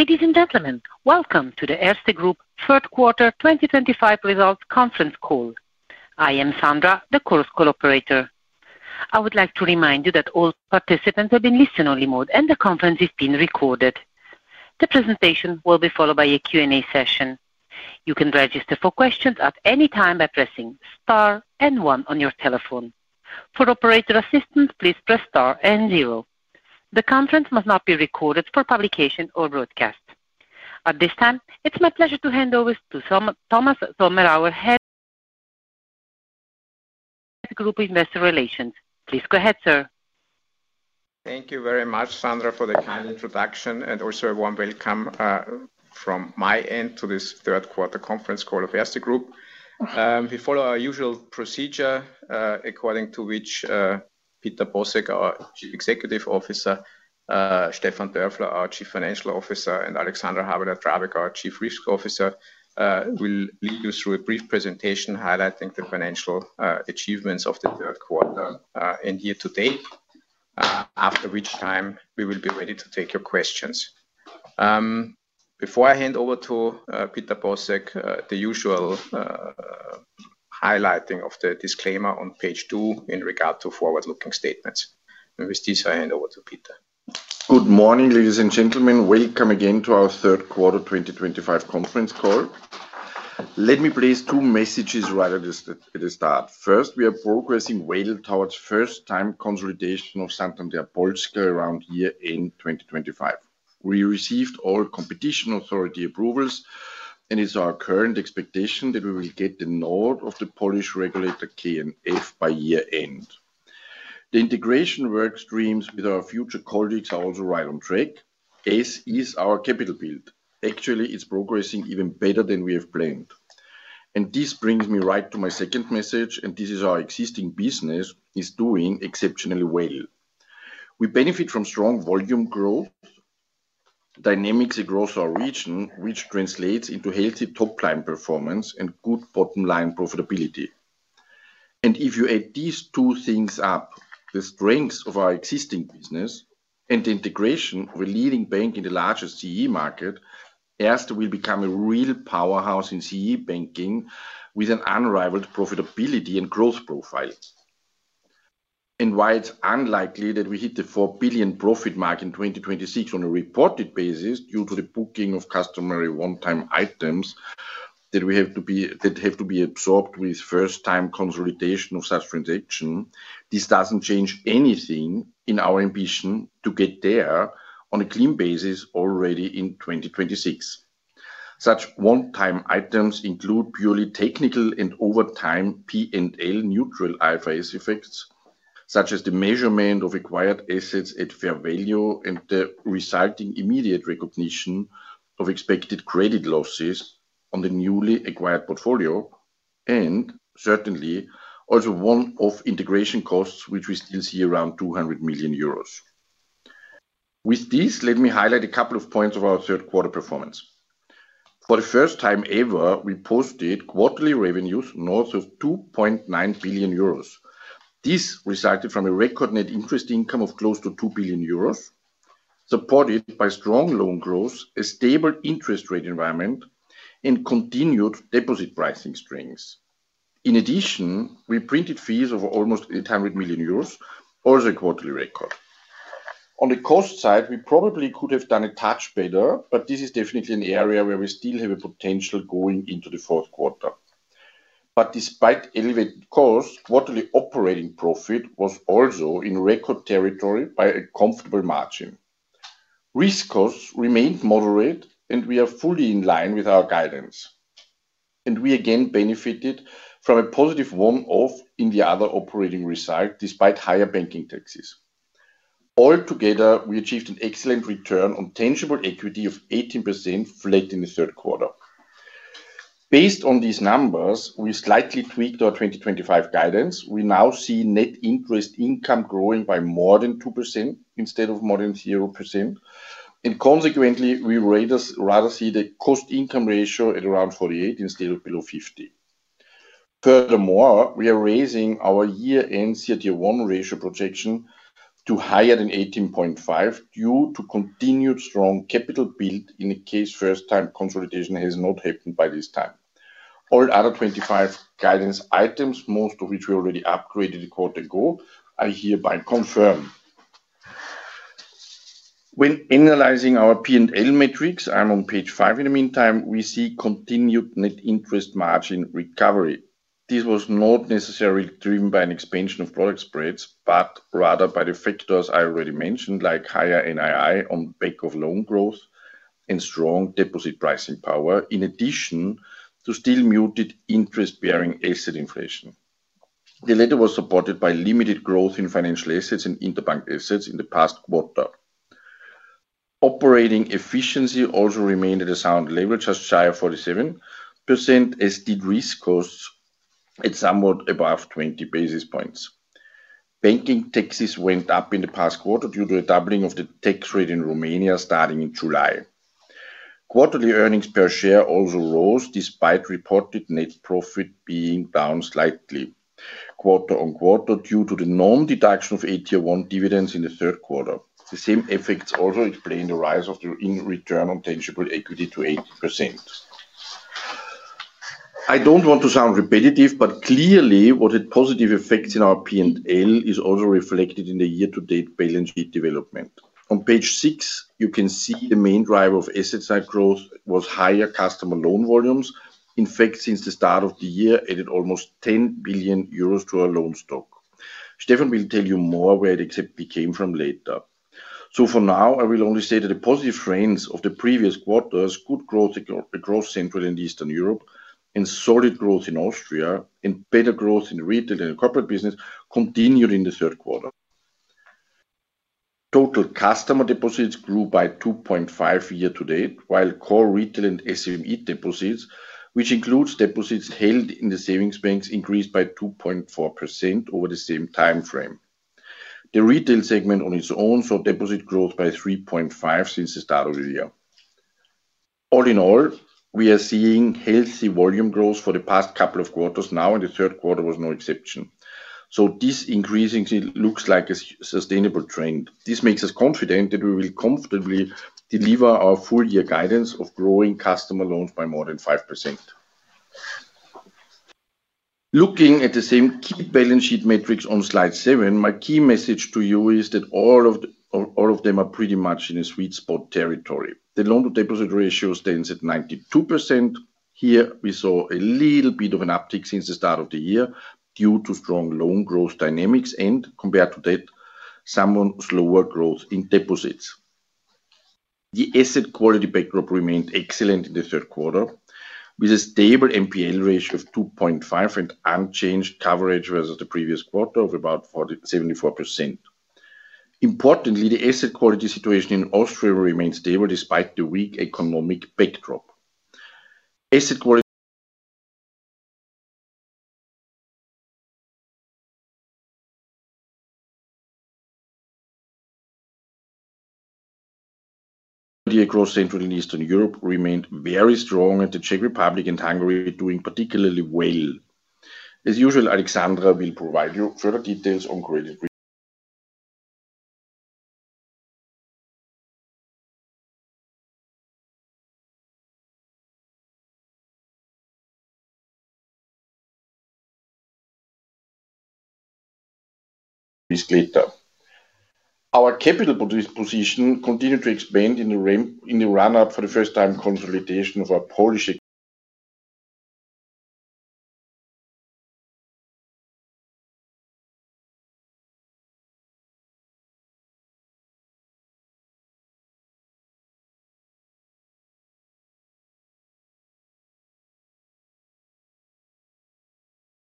Ladies and gentlemen, welcome to the Erste Group third quarter 2025 results conference call. I am Sandra, the call's call operator. I would like to remind you that all participants have been listen-only mode, and the conference is being recorded. The presentation will be followed by a Q&A session. You can register for questions at any time by pressing star and one on your telephone. For operator assistance, please press star and zero. The conference must not be recorded for publication or broadcast. At this time, it's my pleasure to hand over to Thomas Sommerauer, Head, Group Investor Relations. Please go ahead, sir. Thank you very much, Sandra, for the kind introduction and also a warm welcome from my end to this third quarter conference call of Erste Group. We follow our usual procedure, according to which Peter Bosek, our Chief Executive Officer, Stefan Dörfler, our Chief Financial Officer, and Alexandra Habeler-Drabek, our Chief Risk Officer, will lead you through a brief presentation highlighting the financial achievements of the third quarter and year to date. After which time, we will be ready to take your questions. Before I hand over to Peter Bosek, the usual highlighting of the disclaimer on page two in regard to forward-looking statements. With this, I hand over to Peter. Good morning, ladies and gentlemen. Welcome again to our third quarter 2025 conference call. Let me place two messages right at the start. First, we are progressing well towards first-time consolidation of Santander Polska around year-end 2025. We received all competition authority approvals, and it's our current expectation that we will get the nod of the Polish regulator KNF by year-end. The integration work streams with our future colleagues are also right on track, as is our capital build. Actually, it's progressing even better than we have planned. This brings me right to my second message, and this is our existing business is doing exceptionally well. We benefit from strong volume growth. Dynamics across our region, which translates into healthy top-line performance and good bottom-line profitability. If you add these two things up, the strengths of our existing business and the integration of a leading bank in the larger CEE market, Erste will become a real powerhouse in CEE banking with an unrivaled profitability and growth profile. While it's unlikely that we hit the 4 billion profit mark in 2026 on a reported basis due to the booking of customary one-time items that have to be absorbed with first-time consolidation of such transactions, this doesn't change anything in our ambition to get there on a clean basis already in 2026. Such one-time items include purely technical and over time P&L neutral IFRS effects, such as the measurement of acquired assets at fair value and the resulting immediate recognition of expected credit losses on the newly acquired portfolio, and certainly also one-off integration costs, which we still see around 200 million euros. With this, let me highlight a couple of points of our third quarter performance. For the first time ever, we posted quarterly revenues north of 2.9 billion euros. This resulted from a record net interest income of close to 2 billion euros, supported by strong loan growth, a stable interest rate environment, and continued deposit pricing strengths. In addition, we printed fees of almost 800 million euros, also a quarterly record. On the cost side, we probably could have done a touch better, but this is definitely an area where we still have a potential going into the fourth quarter. Despite elevated costs, quarterly operating profit was also in record territory by a comfortable margin. Risk costs remained moderate, and we are fully in line with our guidance. We again benefited from a positive one-off in the other operating result despite higher banking taxes. Altogether, we achieved an excellent Return on Tangible Equity of 18% flat in the third quarter. Based on these numbers, we slightly tweaked our 2025 guidance. We now see net interest income growing by more than 2% instead of more than 0%. Consequently, we rather see the cost-income ratio at around 48% instead of below 50%. Furthermore, we are raising our year-end CET1 ratio projection to higher than 18.5% due to continued strong capital build in the case first-time consolidation has not happened by this time. All other 2025 guidance items, most of which we already upgraded a quarter ago, are hereby confirmed. When analyzing our P&L metrics, I'm on page five in the meantime, we see continued net interest margin recovery. This was not necessarily driven by an expansion of product spreads, but rather by the factors I already mentioned, like higher NII on the back of loan growth and strong deposit pricing power, in addition to still muted interest-bearing asset inflation. The latter was supported by limited growth in financial assets and interbank assets in the past quarter. Operating efficiency also remained at a sound level, just shy of 47%, as did risk costs at somewhat above 20 basis points. Banking taxes went up in the past quarter due to a doubling of the tax rate in Romania starting in July. Quarterly earnings per share also rose despite reported net profit being down slightly quarter-on-quarter due to the non-deduction of AT1 dividends in the third quarter. The same effects also explain the rise of the Return on Tangible Equity to 18%. I don't want to sound repetitive, but clearly what had positive effects in our P&L is also reflected in the year-to-date balance sheet development. On page six, you can see the main driver of asset-side growth was higher customer loan volumes. In fact, since the start of the year, added almost 10 billion euros to our loan stock. Stefan will tell you more where it exactly came from later. For now, I will only say that the positive trends of the previous quarters, good growth across Central and Eastern Europe, and solid growth in Austria, and better growth in retail and corporate business continued in the third quarter. Total customer deposits grew by 2.5% year-to-date, while core retail and SME deposits, which includes deposits held in the savings banks, increased by 2.4% over the same time frame. The retail segment on its own saw deposit growth by 3.5% since the start of the year. All in all, we are seeing healthy volume growth for the past couple of quarters now, and the third quarter was no exception. This increase looks like a sustainable trend. This makes us confident that we will comfortably deliver our full-year guidance of growing customer loans by more than 5%. Looking at the same key balance sheet metrics on slide seven, my key message to you is that all of them are pretty much in a sweet spot territory. The loan-to-deposit ratio stands at 92%. Here, we saw a little bit of an uptick since the start of the year due to strong loan growth dynamics and, compared to that, somewhat slower growth in deposits. The asset quality backdrop remained excellent in the third quarter, with a stable NPL ratio of 2.5% and unchanged coverage versus the previous quarter of about 74%. Importantly, the asset quality situation in Austria remained stable despite the weak economic backdrop. Asset quality across Central and Eastern Europe remained very strong, and the Czech Republic and Hungary are doing particularly well. As usual, Alexandra will provide you further details on credit risk later. Our capital position continued to expand in the run-up for the first-time consolidation of our Polish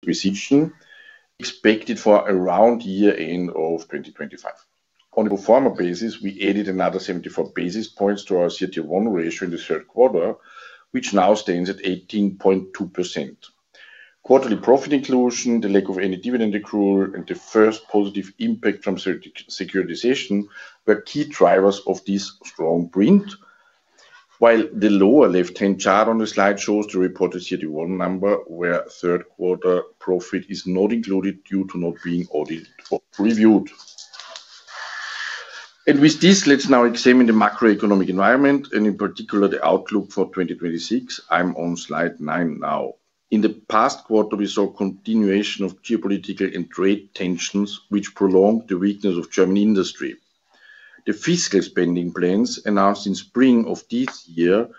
position, expected for around year-end of 2025. On a pro forma basis, we added another 74 basis points to our CET1 ratio in the third quarter, which now stands at 18.2%. Quarterly profit inclusion, the lack of any dividend accrual, and the first positive impact from securitization were key drivers of this strong print. The lower left-hand chart on the reported CET1 number, where third-quarter profit is not included due to not being reviewed. With this, let's now examine the macroeconomic environment and, in particular, the outlook for 2026. I'm on slide nine now. In the past quarter, we saw continuation of geopolitical and trade tensions, which prolonged the weakness of German industry. The fiscal spending plans announced in spring of this year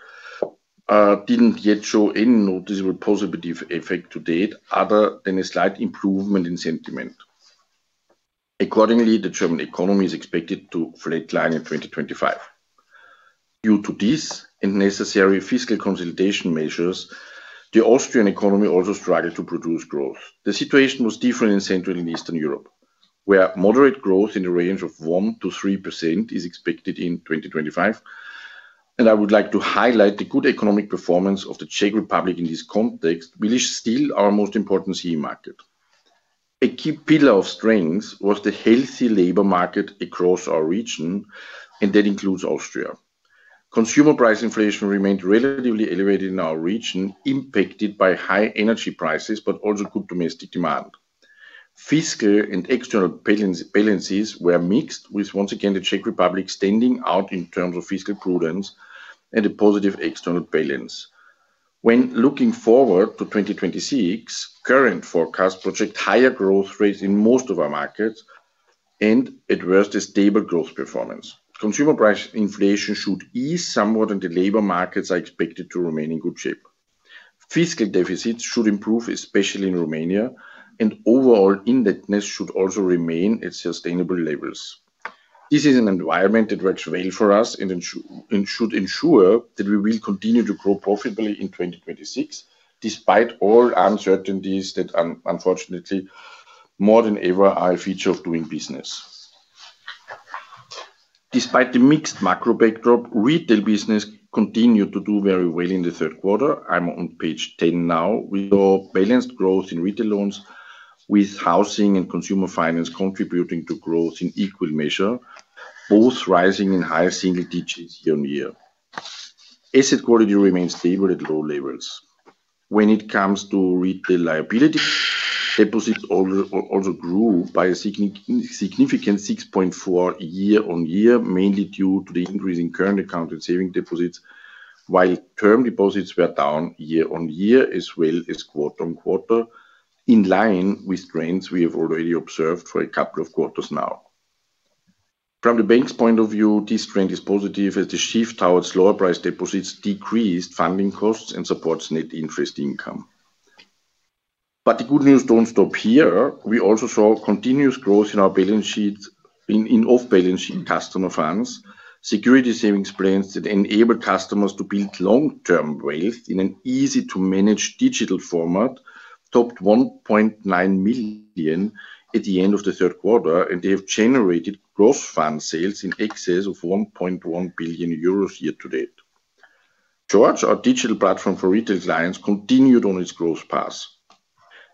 didn't yet show any noticeable positive effect to date other than a slight improvement in sentiment. Accordingly, the German economy is expected to flatline in 2025. Due to this and necessary fiscal consolidation measures, the Austrian economy also struggled to produce growth. The situation was different in Central and Eastern Europe, where moderate growth in the range of 1%-3% is expected in 2025. I would like to highlight the good economic performance of the Czech Republic in this context, which is still our most important CEE market. A key pillar of strength was the healthy labor market across our region, and that includes Austria. Consumer price inflation remained relatively elevated in our region, impacted by high energy prices, but also good domestic demand. Fiscal and external balances were mixed, with once again the Czech Republic standing out in terms of fiscal prudence and a positive external balance. When looking forward to 2026, current forecasts project higher growth rates in most of our markets and at worst, a stable growth performance. Consumer price inflation should ease somewhat, and the labor markets are expected to remain in good shape. Fiscal deficits should improve, especially in Romania, and overall indebtedness should also remain at sustainable levels. This is an environment that works well for us and should ensure that we will continue to grow profitably in 2026, despite all uncertainties that, unfortunately, more than ever are a feature of doing business. Despite the mixed macro backdrop, retail business continued to do very well in the third quarter. I'm on page 10 now, with our balanced growth in retail loans, with housing and consumer finance contributing to growth in equal measure, both rising in higher single digits year-on-year. Asset quality remained stable at low levels. When it comes to retail liabilities, deposits also grew by a significant 6.4% year-on-year, mainly due to the increase in current account and savings deposits, while term deposits were down year-on-year as well as quarter-on-quarter, in line with trends we have already observed for a couple of quarters now. From the bank's point of view, this trend is positive as the shift towards lower price deposits decreased funding costs and supports net interest income. The good news doesn't stop here. We also saw continuous growth in our balance sheets, in off-balance sheet customer funds. Security savings plans that enabled customers to build long-term wealth in an easy-to-manage digital format topped 1.9 million at the end of the third quarter, and they have generated gross fund sales in excess of 1.1 billion euros year-to-date. George, our digital platform for retail clients, continued on its growth path.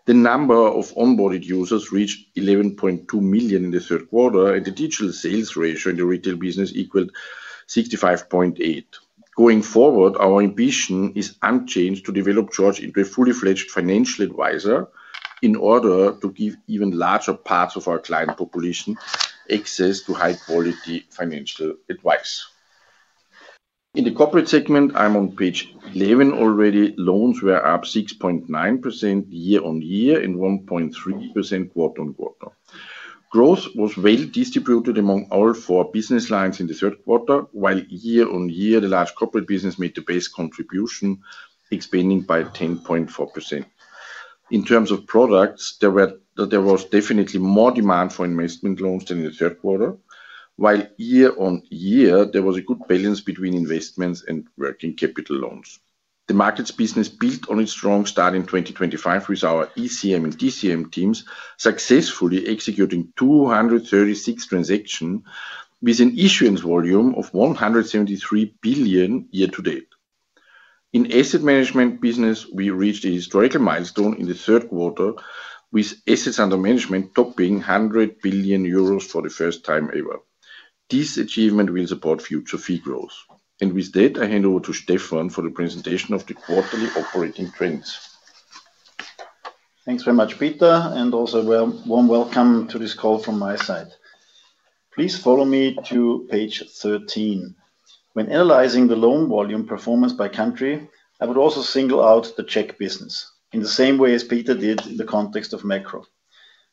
The number of onboarded users reached 11.2 million in the third quarter, and the digital sales ratio in the retail business equaled 65.8%. Going forward, our ambition is unchanged to develop George into a fully-fledged financial advisor in order to give even larger parts of our client population access to high-quality financial advice. In the corporate segment, I'm on page 11 already. Loans were up 6.9% year-on-year and 1.3% quarter-on-quarter. Growth was well distributed among all four business lines in the third quarter, while year-on-year the large corporate business made the best contribution, expanding by 10.4%. In terms of products, there was definitely more demand for investment loans than in the third quarter, while year-on-year there was a good balance between investments and working capital loans. The market's business built on its strong start in 2025 with our ECM and DCM teams successfully executing 236 transactions with an issuance volume of 173 billion year-to-date. In asset management business, we reached a historical milestone in the third quarter with assets under management topping 100 billion euros for the first time ever. This achievement will support future fee growth. With that, I hand over to Stefan for the presentation of the quarterly operating trends. Thanks very much, Peter, and also a warm welcome to this call from my side. Please follow me to page 13. When analyzing the loan volume performance by country, I would also single out the Czech business in the same way as Peter did in the context of macro.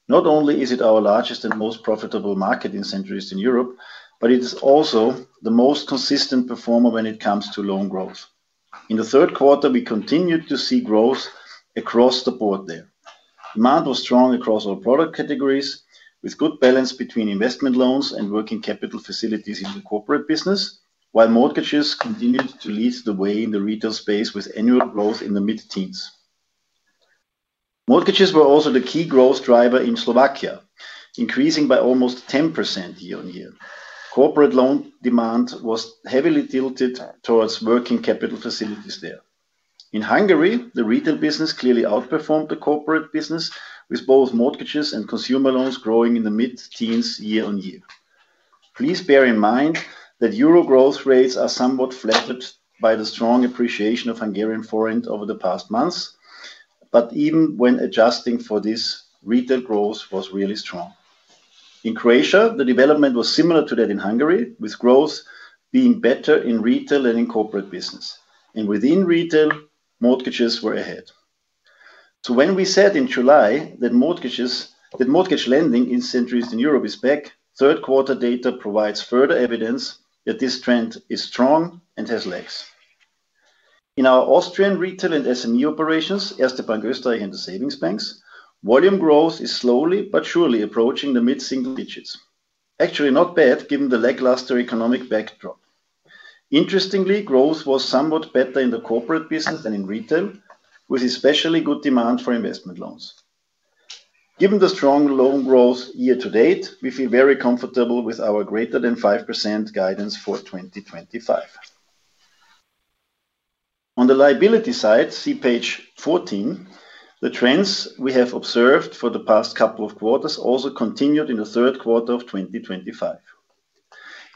Not only is it our largest and most profitable market in Central and Eastern Europe, but it is also the most consistent performer when it comes to loan growth. In the third quarter, we continued to see growth across the board there. Demand was strong across all product categories with good balance between investment loans and working capital facilities in the corporate business, while mortgages continued to lead the way in the retail space with annual growth in the mid-teens. Mortgages were also the key growth driver in Slovakia, increasing by almost 10% year-on-year. Corporate loan demand was heavily tilted towards working capital facilities there. In Hungary, the retail business clearly outperformed the corporate business with both mortgages and consumer loans growing in the mid-teens year-on-year. Please bear in mind that euro growth rates are somewhat flattered by the strong appreciation of Hungarian forint over the past months, but even when adjusting for this, retail growth was really strong. In Croatia, the development was similar to that in Hungary, with growth being better in retail than in corporate business. Within retail, mortgages were ahead. When we said in July that mortgage lending in Central and Eastern Europe is back, third-quarter data provides further evidence that this trend is strong and has legs. In our Austrian retail and SME operations, Erste Bank Österreich and the savings banks, volume growth is slowly but surely approaching the mid-single digits. Actually, not bad given the lackluster economic backdrop. Interestingly, growth was somewhat better in the corporate business than in retail, with especially good demand for investment loans. Given the strong loan growth year-to-date, we feel very comfortable with our greater than 5% guidance for 2025. On the liability side, see page 14, the trends we have observed for the past couple of quarters also continued in the third quarter of 2025.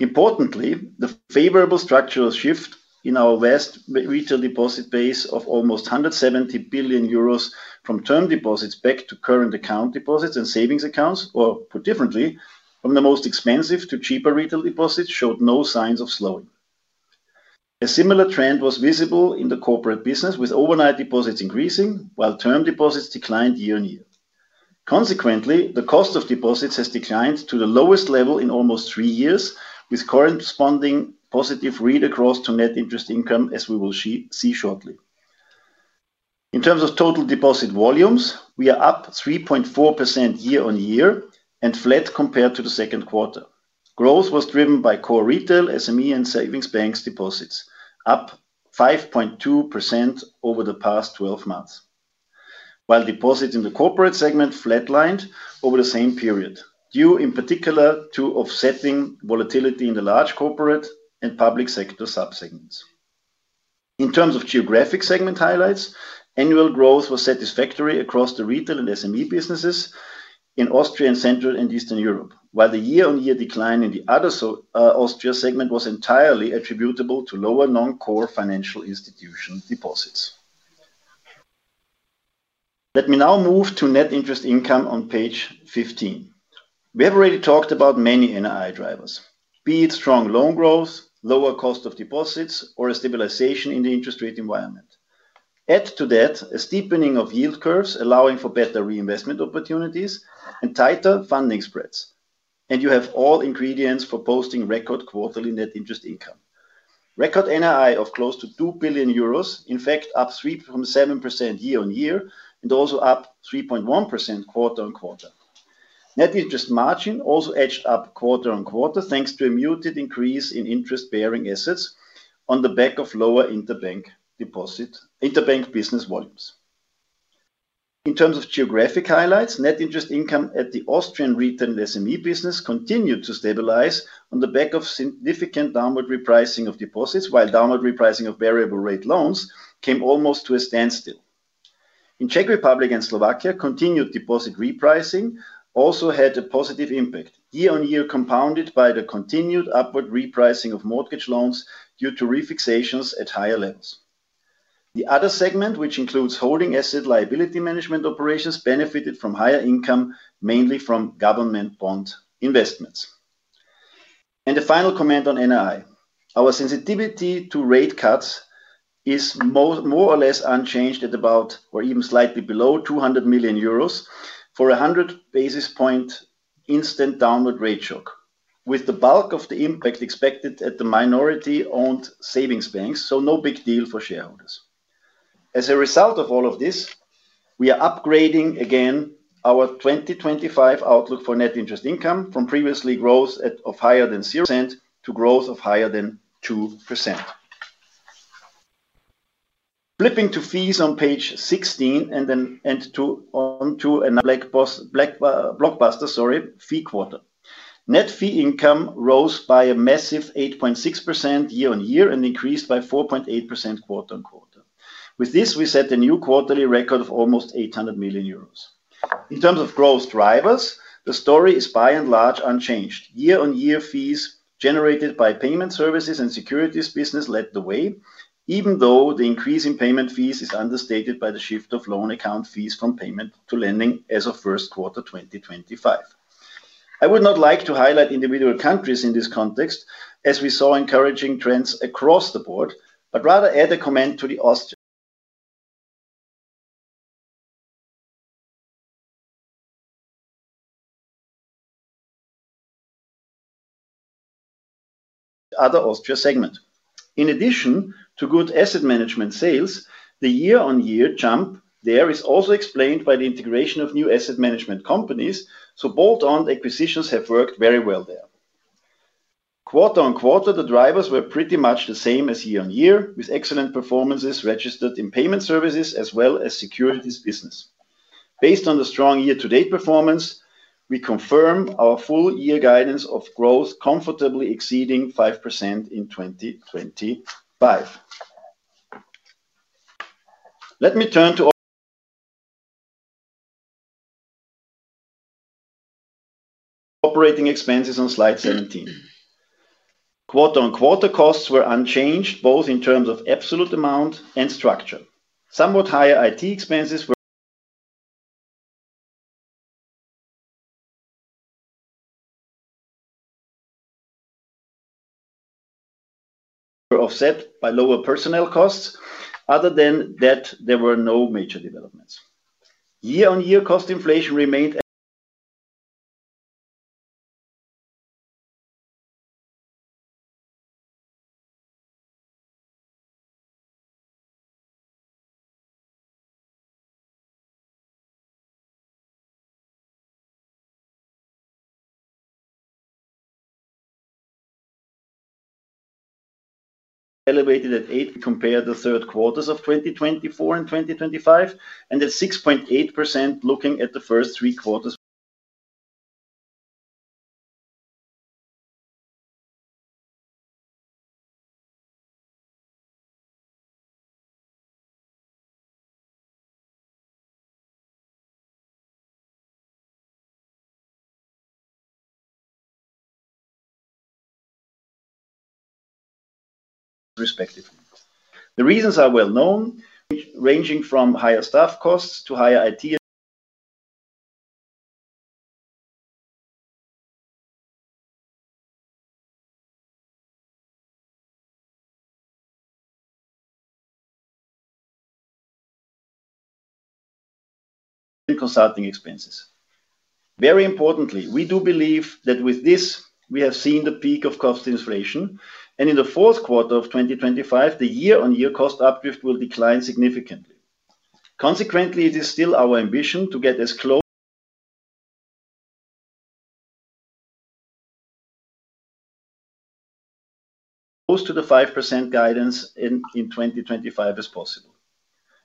Importantly, the favorable structural shift in our vast retail deposit base of almost 170 billion euros from term deposits back to current account deposits and savings accounts, or put differently, from the most expensive to cheaper retail deposits, showed no signs of slowing. A similar trend was visible in the corporate business with overnight deposits increasing, while term deposits declined year-on-year. Consequently, the cost of deposits has declined to the lowest level in almost three years, with corresponding positive read across to net interest income, as we will see shortly. In terms of total deposit volumes, we are up 3.4% year-on-year and flat compared to the second quarter. Growth was driven by core retail, SME, and savings banks deposits, up 5.2% over the past 12 months. While deposits in the corporate segment flatlined over the same period, due in particular to offsetting volatility in the large corporate and public sector subsegments. In terms of geographic segment highlights, annual growth was satisfactory across the retail and SME businesses in Austria and Central and Eastern Europe, while the year-on-year decline in the other Austria segment was entirely attributable to lower non-core financial institution deposits. Let me now move to net interest income on page 15. We have already talked about many NII drivers, be it strong loan growth, lower cost of deposits, or a stabilization in the interest rate environment. Add to that a steepening of yield curves allowing for better reinvestment opportunities and tighter funding spreads. You have all ingredients for posting record quarterly net interest income. Record NII of close to 2 billion euros, in fact, up 3.7% year-on-year and also up 3.1% quarter-on-quarter. Net interest margin also edged up quarter-on-quarter thanks to a muted increase in interest-bearing assets on the back of lower interbank business volumes. In terms of geographic highlights, net interest income at the Austrian retail and SME business continued to stabilize on the back of significant downward repricing of deposits, while downward repricing of variable-rate loans came almost to a standstill. In Czech Republic and Slovakia, continued deposit repricing also had a positive impact year-on-year, compounded by the continued upward repricing of mortgage loans due to refixations at higher levels. The other segment, which includes holding asset liability management operations, benefited from higher income, mainly from government bond investments. A final comment on NII: our sensitivity to rate cuts is more or less unchanged at about, or even slightly below, 200 million euros for a 100 basis point instant downward rate shock, with the bulk of the impact expected at the minority-owned savings banks, so no big deal for shareholders. As a result of all of this, we are upgrading again our 2025 outlook for net interest income from previously growth of higher than 0% to growth of higher than 2%. Flipping to fees on page 16 and then onto a blockbuster, sorry, fee quarter. Net fee income rose by a massive 8.6% year-on-year and increased by 4.8% quarter-on-quarter. With this, we set a new quarterly record of almost 800 million euros. In terms of growth drivers, the story is by and large unchanged. Year-on-year, fees generated by payment services and securities business led the way, even though the increase in payment fees is understated by the shift of loan account fees from payment to lending as of first quarter 2025. I would not like to highlight individual countries in this context, as we saw encouraging trends across the board, but rather add a comment to the Other Austria segment. In addition to good asset management sales, the year-on-year jump there is also explained by the integration of new asset management companies, so bolt-on acquisitions have worked very well there. Quarter-on-quarter, the drivers were pretty much the same as year-on-year, with excellent performances registered in payment services as well as securities business. Based on the strong year-to-date performance, we confirm our full-year guidance of growth comfortably exceeding 5% in 2025. Let me turn to operating expenses on slide 17. Quarter-on-quarter costs were unchanged, both in terms of absolute amount and structure. Somewhat higher IT expenses were offset by lower personnel costs. Other than that, there were no major developments. Year-on-year cost inflation remained elevated compared to third quarters of 2024 and 2025, and at 6.8% looking at the first three quarters, respectively. The reasons are well known, ranging from higher staff costs to higher IT consulting expenses. Very importantly, we do believe that with this, we have seen the peak of cost inflation, and in the fourth quarter of 2025, the year-on-year cost updraft will decline significantly. Consequently, it is still our ambition to get as close to the 5% guidance in 2025 as possible.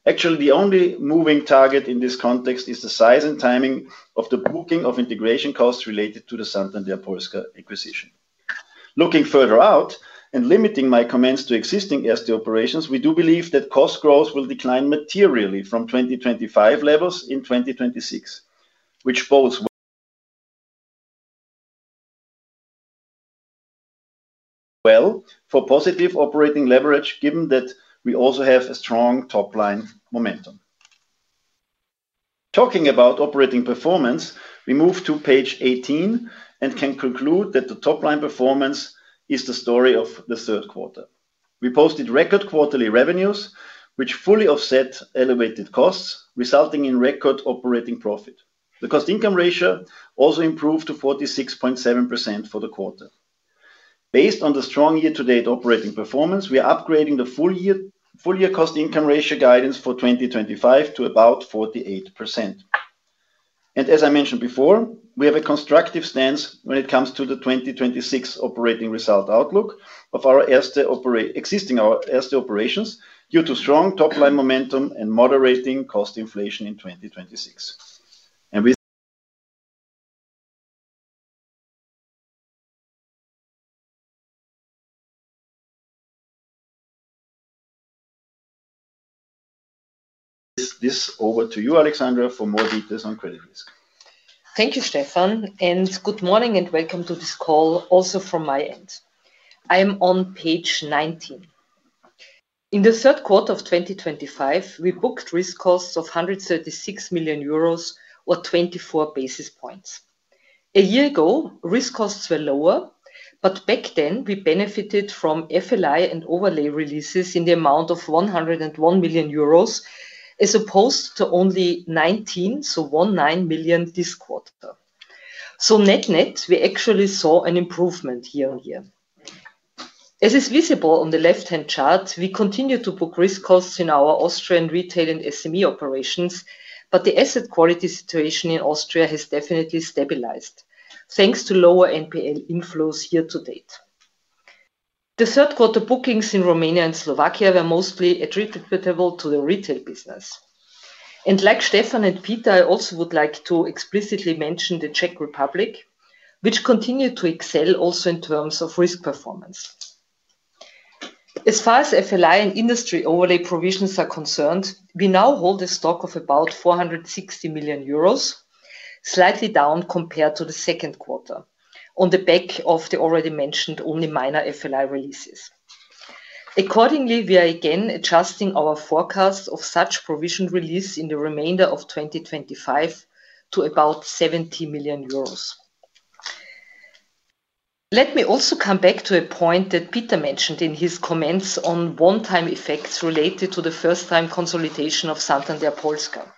Actually, the only moving target in this context is the size and timing of the booking of integration costs related to the Santander Polska acquisition. Looking further out and limiting my comments to existing ST operations, we do believe that cost growth will decline materially from 2025 levels in 2026, which bodes well for positive operating leverage, given that we also have a strong top-line momentum. Talking about operating performance, we move to page 18 and can conclude that the top-line performance is the story of the third quarter. We posted record quarterly revenues, which fully offset elevated costs, resulting in record operating profit. The cost-income ratio also improved to 46.7% for the quarter. Based on the strong year-to-date operating performance, we are upgrading the full-year cost-income ratio guidance for 2025 to about 48%. As I mentioned before, we have a constructive stance when it comes to the 2026 operating result outlook of our existing ST operations due to strong top-line momentum and moderating cost inflation in 2026. We hand this over to you, Alexandra, for more details on credit risk. Thank you, Stefan, and good morning and welcome to this call also from my end. I am on page 19. In the third quarter of 2025, we booked risk costs of 136 million euros, or 24 basis points. A year ago, risk costs were lower, but back then, we benefited from FLI and overlay releases in the amount of 101 million euros as opposed to only 19 million this quarter. Net-net, we actually saw an improvement year-on-year. As is visible on the left-hand chart, we continue to book risk costs in our Austrian retail and SME operations, but the asset quality situation in Austria has definitely stabilized, thanks to lower NPL inflows year-to-date. The third-quarter bookings in Romania and Slovakia were mostly attributable to the retail business. Like Stefan and Peter, I also would like to explicitly mention the Czech Republic, which continued to excel also in terms of risk performance. As far as FLI and industry overlay provisions are concerned, we now hold a stock of about 460 million euros, slightly down compared to the second quarter, on the back of the already mentioned only minor FLI releases. Accordingly, we are again adjusting our forecast of such provision release in the remainder of 2025 to about EUR 70 million. Let me also come back to a point that Peter mentioned in his comments on one-time effects related to the first-time consolidation of Santander Polska.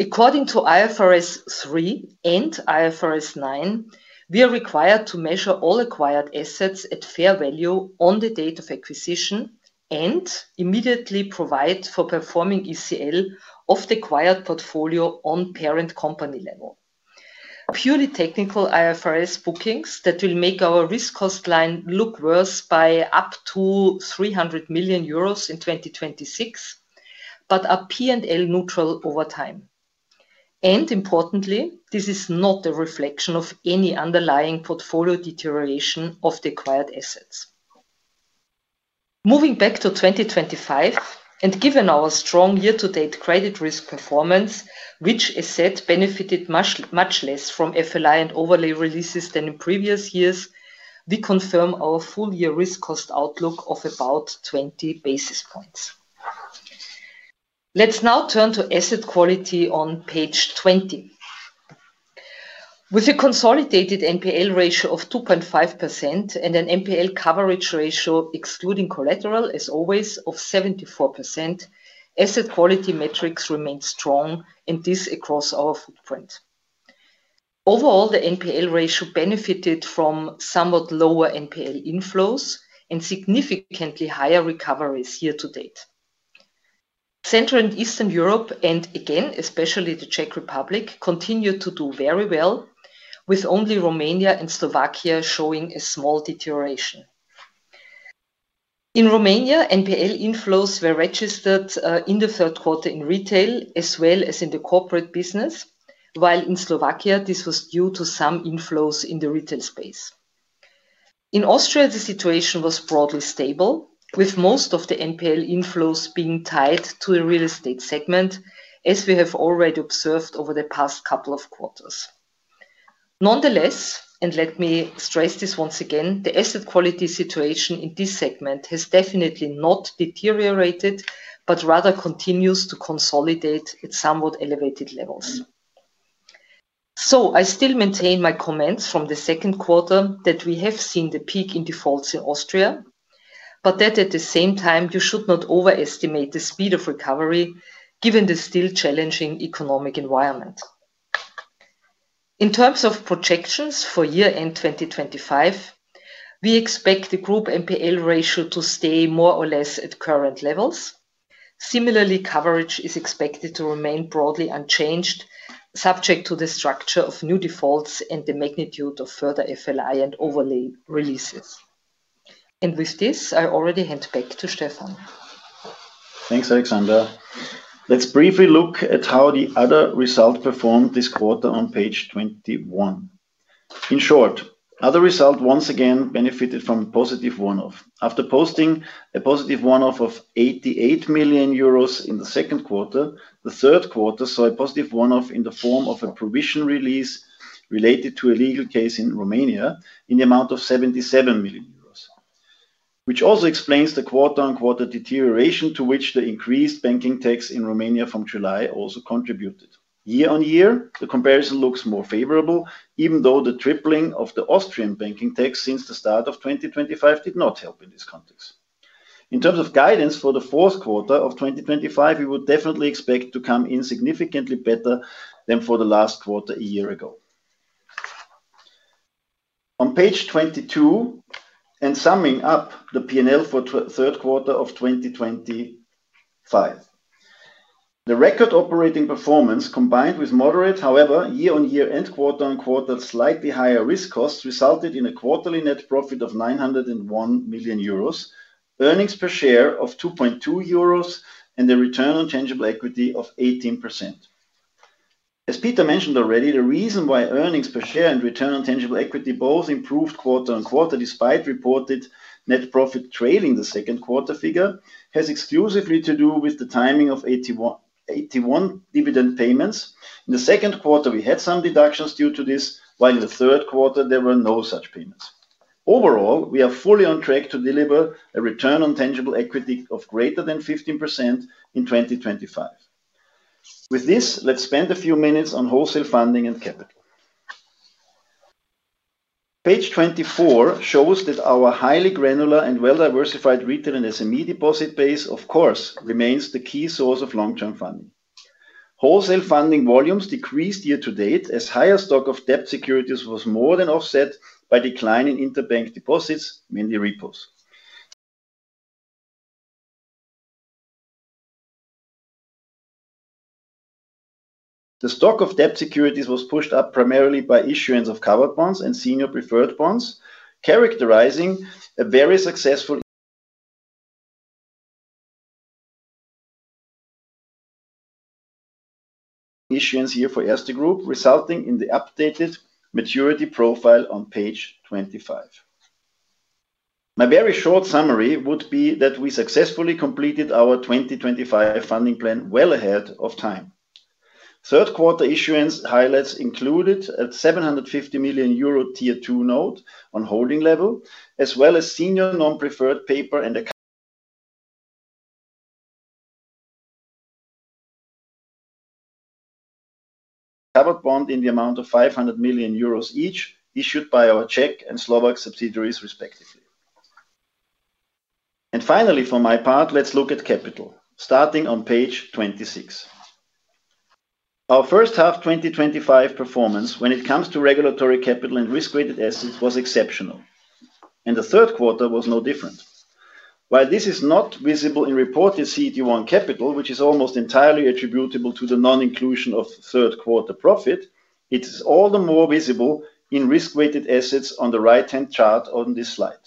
According to IFRS 3 and IFRS 9, we are required to measure all acquired assets at fair value on the date of acquisition and immediately provide for performing ECL of the acquired portfolio on parent company level. These are purely technical IFRS bookings that will make our risk cost line look worse by up to 300 million euros in 2026, but are P&L neutral over time. Importantly, this is not a reflection of any underlying portfolio deterioration of the acquired assets. Moving back to 2025, and given our strong year-to-date credit risk performance, which asset benefited much less from FLI and overlay releases than in previous years, we confirm our full-year risk cost outlook of about 20 basis points. Let's now turn to asset quality on page 20. With a consolidated NPL ratio of 2.5% and an NPL coverage ratio, excluding collateral as always, of 74%, asset quality metrics remain strong, and this across our footprint. Overall, the NPL ratio benefited from somewhat lower NPL inflows and significantly higher recoveries year-to-date. Central and Eastern Europe, and again, especially the Czech Republic, continued to do very well, with only Romania and Slovakia showing a small deterioration. In Romania, NPL inflows were registered in the third quarter in retail as well as in the corporate business, while in Slovakia, this was due to some inflows in the retail space. In Austria, the situation was broadly stable, with most of the NPL inflows being tied to the real estate segment, as we have already observed over the past couple of quarters. Nonetheless, let me stress this once again, the asset quality situation in this segment has definitely not deteriorated, but rather continues to consolidate at somewhat elevated levels. I still maintain my comments from the second quarter that we have seen the peak in defaults in Austria, but at the same time, you should not overestimate the speed of recovery given the still challenging economic environment. In terms of projections for year-end 2025, we expect the group NPL ratio to stay more or less at current levels. Similarly, coverage is expected to remain broadly unchanged, subject to the structure of new defaults and the magnitude of further FLI and overlay releases. With this, I already hand back to Stefan. Thanks, Alexandra. Let's briefly look at how the other result performed this quarter on page 21. In short, other result once again benefited from a positive one-off. After posting a positive one-off of 88 million euros in the second quarter, the third quarter saw a positive one-off in the form of a provision release related to a legal case in Romania in the amount of 77 million euros, which also explains the quarter-on-quarter deterioration to which the increased banking tax in Romania from July also contributed. Year-on-year, the comparison looks more favorable, even though the tripling of the Austrian banking tax since the start of 2025 did not help in this context. In terms of guidance for the fourth quarter of 2025, we would definitely expect to come in significantly better than for the last quarter a year ago. On page 22, and summing up the P&L for third quarter of 2025, the record operating performance, combined with moderate, however, year-on-year and quarter-on-quarter slightly higher risk costs, resulted in a quarterly net profit of 901 million euros, earnings per share of 2.2 euros, and a Return on Tangible Equity of 18%. As Peter mentioned already, the reason why earnings per share and Return on Tangible Equity both improved quarter-on-quarter despite reported net profit trailing the second quarter figure has exclusively to do with the timing of AT1 dividend payments. In the second quarter, we had some deductions due to this, while in the third quarter, there were no such payments. Overall, we are fully on track to deliver a Return on Tangible Equity of greater than 15% in 2025. With this, let's spend a few minutes on wholesale funding and capital. Page 24 shows that our highly granular and well-diversified retail and SME deposit base, of course, remains the key source of long-term funding. Wholesale funding volumes decreased year-to-date as higher stock of debt securities was more than offset by decline in interbank deposits, mainly repos. The stock of debt securities was pushed up primarily by issuance of covered bonds and senior preferred bonds, characterizing a very successful issuance here for Erste Group, resulting in the updated maturity profile on page 25. My very short summary would be that we successfully completed our 2025 funding plan well ahead of time. Third-quarter issuance highlights included a 750 million euro Tier 2 note on holding level, as well as senior non-preferred paper and covered bond in the amount of 500 million euros each, issued by our Czech and Slovak subsidiaries, respectively. Finally, for my part, let's look at capital, starting on page 26. Our first half 2025 performance, when it comes to regulatory capital and risk-weighted assets, was exceptional, and the third quarter was no different. While this is not visible in reported CET1 capital, which is almost entirely attributable to the non-inclusion of third-quarter profit, it is all the more visible in risk-weighted assets on the right-hand chart on this slide.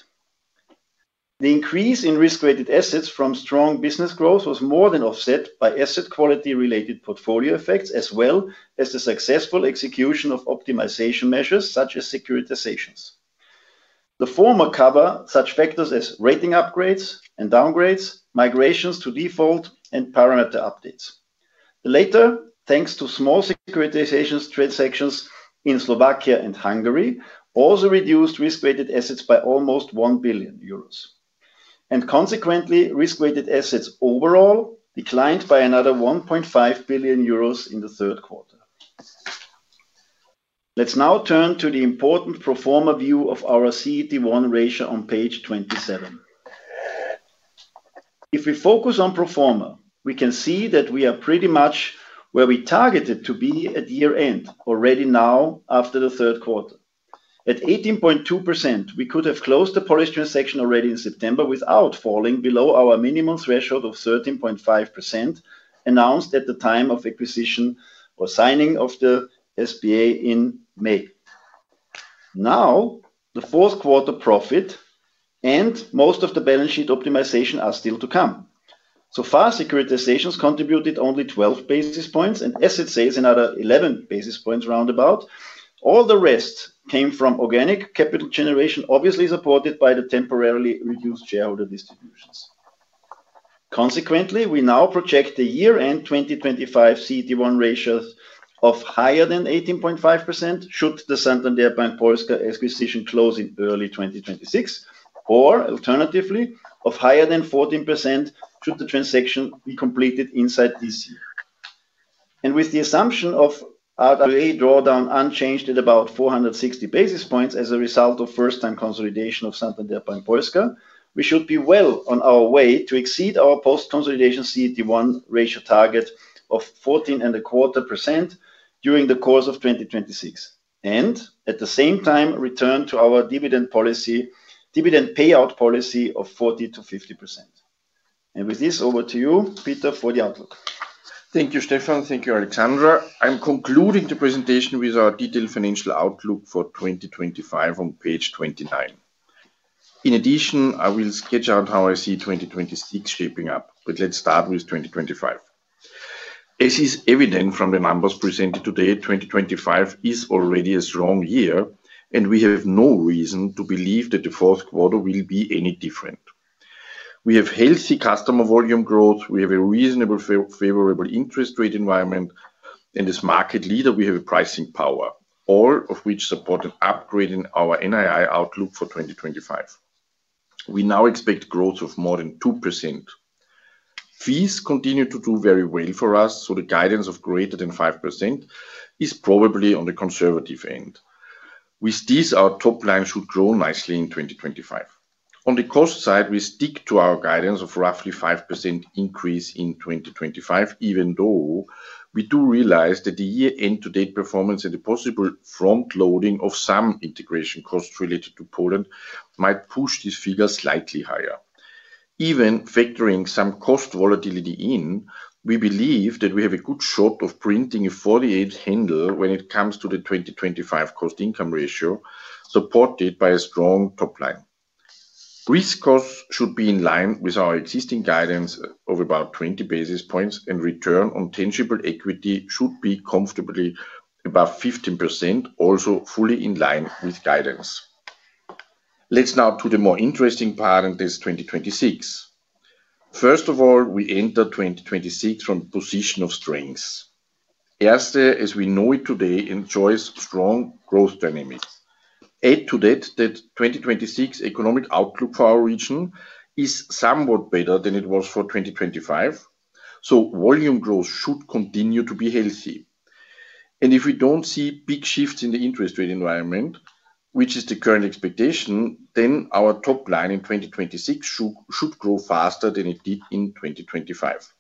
The increase in risk-weighted assets from strong business growth was more than offset by asset-quality-related portfolio effects, as well as the successful execution of optimization measures such as securitizations. The former cover such factors as rating upgrades and downgrades, migrations to default, and parameter updates. Later, thanks to small securitization transactions in Slovakia and Hungary, also reduced risk-weighted assets by almost 1 billion euros. Consequently, risk-weighted assets overall declined by another 1.5 billion euros in the third quarter. Let's now turn to the important pro forma view of our CET1 ratio on page 27. If we focus on pro forma, we can see that we are pretty much where we targeted to be at year-end already now after the third quarter. At 18.2%, we could have closed the policy transaction already in September without falling below our minimum threshold of 13.5% announced at the time of acquisition or signing of the SBA in May. The fourth-quarter profit and most of the balance sheet optimization are still to come. So far, securitizations contributed only 12 basis points and asset sales another 11 basis points, roundabout. All the rest came from organic capital generation, obviously supported by the temporarily reduced shareholder distributions. Consequently, we now 2025 CET1 ratio of higher than 18.5% should the Santander Bank Polska acquisition close in early 2026, or alternatively, of higher than 14% should the transaction be completed inside this year. With the assumption of our drawdown unchanged at about 460 basis points as a result of first-time consolidation of Santander Bank Polska, we should be well on our way post-consolidation CET1 ratio target of 14.25% during the course of 2026, and at the same time, return to our dividend payout policy of 40%-50%. With this, over to you, Peter, for the outlook. Thank you, Stefan. Thank you, Alexandra. I'm concluding the presentation with our detailed financial outlook for 2025 on page 29. In addition, I will sketch out how I see 2026 shaping up, but let's start with 2025. As is evident from the numbers presented today, 2025 is already a strong year, and we have no reason to believe that the fourth quarter will be any different. We have healthy customer volume growth. We have a reasonably favorable interest rate environment, and as market leader, we have pricing power, all of which supported upgrading our net interest income outlook for 2025. We now expect growth of more than 2%. Fees continue to do very well for us, so the guidance of greater than 5% is probably on the conservative end. With this, our top line should grow nicely in 2025. On the cost side, we stick to our guidance of roughly 5% increase in 2025, even though we do realize that the year-end to-date performance and the possible front-loading of some integration costs related to Poland might push this figure slightly higher. Even factoring some cost volatility in, we believe that we have a good shot of printing a 48 handle when it comes to the 2025 cost-income ratio supported by a strong top line. Risk costs should be in line with our existing guidance of about 20 basis points, and Return on Tangible Equity should be comfortably above 15%, also fully in line with guidance. Let's now to the more interesting part of this 2026. First of all, we enter 2026 from the position of strengths. Erste, as we know it today, enjoys strong growth dynamics. Add to that that 2026 economic outlook for our region is somewhat better than it was for 2025, so volume growth should continue to be healthy. If we don't see big shifts in the interest rate environment, which is the current expectation, then our top line in 2026 should grow faster than it did in 2025.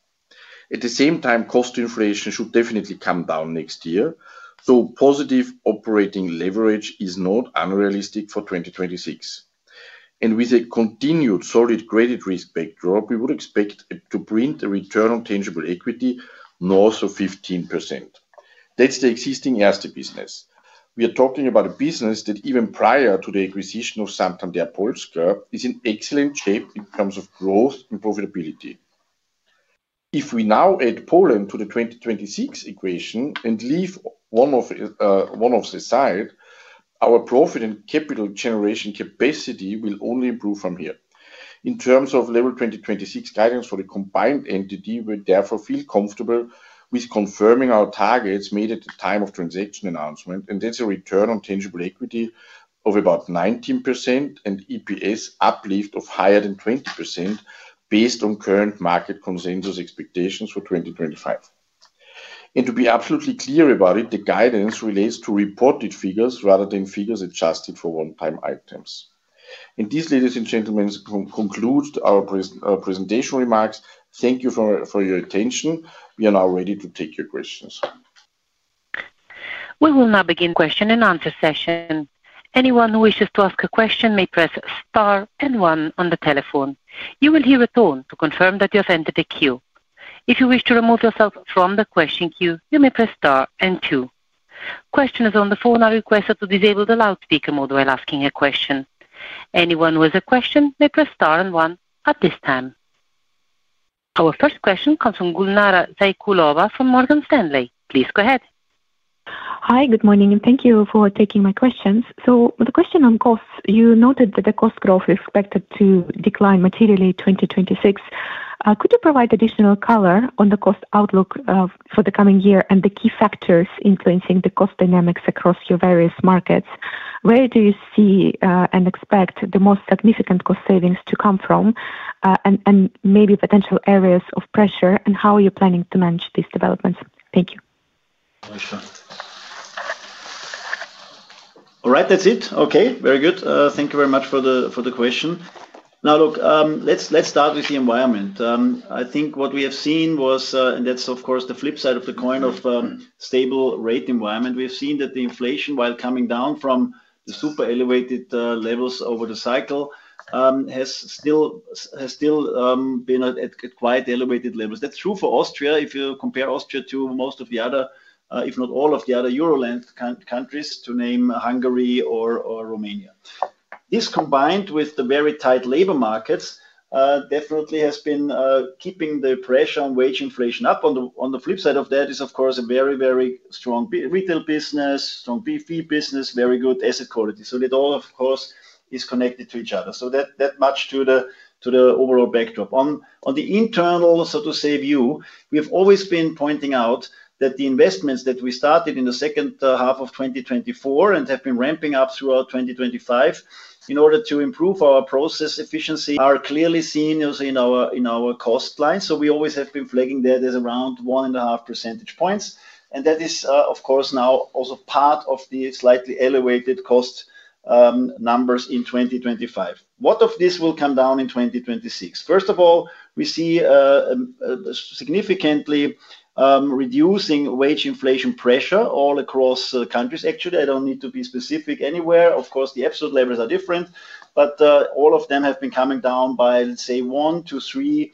At the same time, cost inflation should definitely come down next year, so positive operating leverage is not unrealistic for 2026. With a continued solid credit risk backdrop, we would expect to print a Return on Tangible Equity north of 15%. That's the existing Erste business. We are talking about a business that, even prior to the acquisition of Santander Polska, is in excellent shape in terms of growth and profitability. If we now add Poland to the 2026 equation and leave one off the side, our profit and capital generation capacity will only improve from here. In terms of level 2026 guidance for the combined entity, we therefore feel comfortable with confirming our targets made at the time of transaction announcement, and that's a Return on Tangible Equity of about 19% and EPS uplift of higher than 20% based on current market consensus expectations for 2025. To be absolutely clear about it, the guidance relates to reported figures rather than figures adjusted for one-time items. This, ladies and gentlemen, concludes our presentation remarks. Thank you for your attention. We are now ready to take your questions. We will now begin question and answer session. Anyone who wishes to ask a question may press star and one on the telephone. You will hear a tone to confirm that you have entered a queue. If you wish to remove yourself from the question queue, you may press star and two. Questioners on the phone are requested to disable the loudspeaker mode while asking a question. Anyone who has a question may press star and one at this time. Our first question comes from Gulnara Saitkulova from Morgan Stanley. Please go ahead. Hi, good morning, and thank you for taking my questions. With the question on costs, you noted that the cost growth is expected to decline materially in 2026. Could you provide additional color on the cost outlook for the coming year and the key factors influencing the cost dynamics across your various markets? Where do you see and expect the most significant cost savings to come from, maybe potential areas of pressure, and how are you planning to manage these developments? Thank you. All right, that's it. Okay, very good. Thank you very much for the question. Now, look, let's start with the environment. I think what we have seen was, and that's of course the flip side of the coin of a stable rate environment, we have seen that the inflation, while coming down from the super elevated levels over the cycle, has still been at quite elevated levels. That's true for Austria. If you compare Austria to most of the other, if not all of the other Euroland countries, to name Hungary or Romania, this, combined with the very tight labor markets, definitely has been keeping the pressure on wage inflation up. On the flip side of that is, of course, a very, very strong retail business, strong fee business, very good asset quality. That all, of course, is connected to each other. That much to the overall backdrop. On the internal, so to say, view, we have always been pointing out that the investments that we started in the second half of 2024 and have been ramping up throughout 2025 in order to improve our process efficiency are clearly seen in our cost line. We always have been flagging that as around 1.5 percentage points. That is, of course, now also part of the slightly elevated cost numbers in 2025. What of this will come down in 2026? First of all, we see significantly reducing wage inflation pressure all across countries. Actually, I don't need to be specific anywhere. Of course, the absolute levels are different, but all of them have been coming down by, let's say, 1%-3%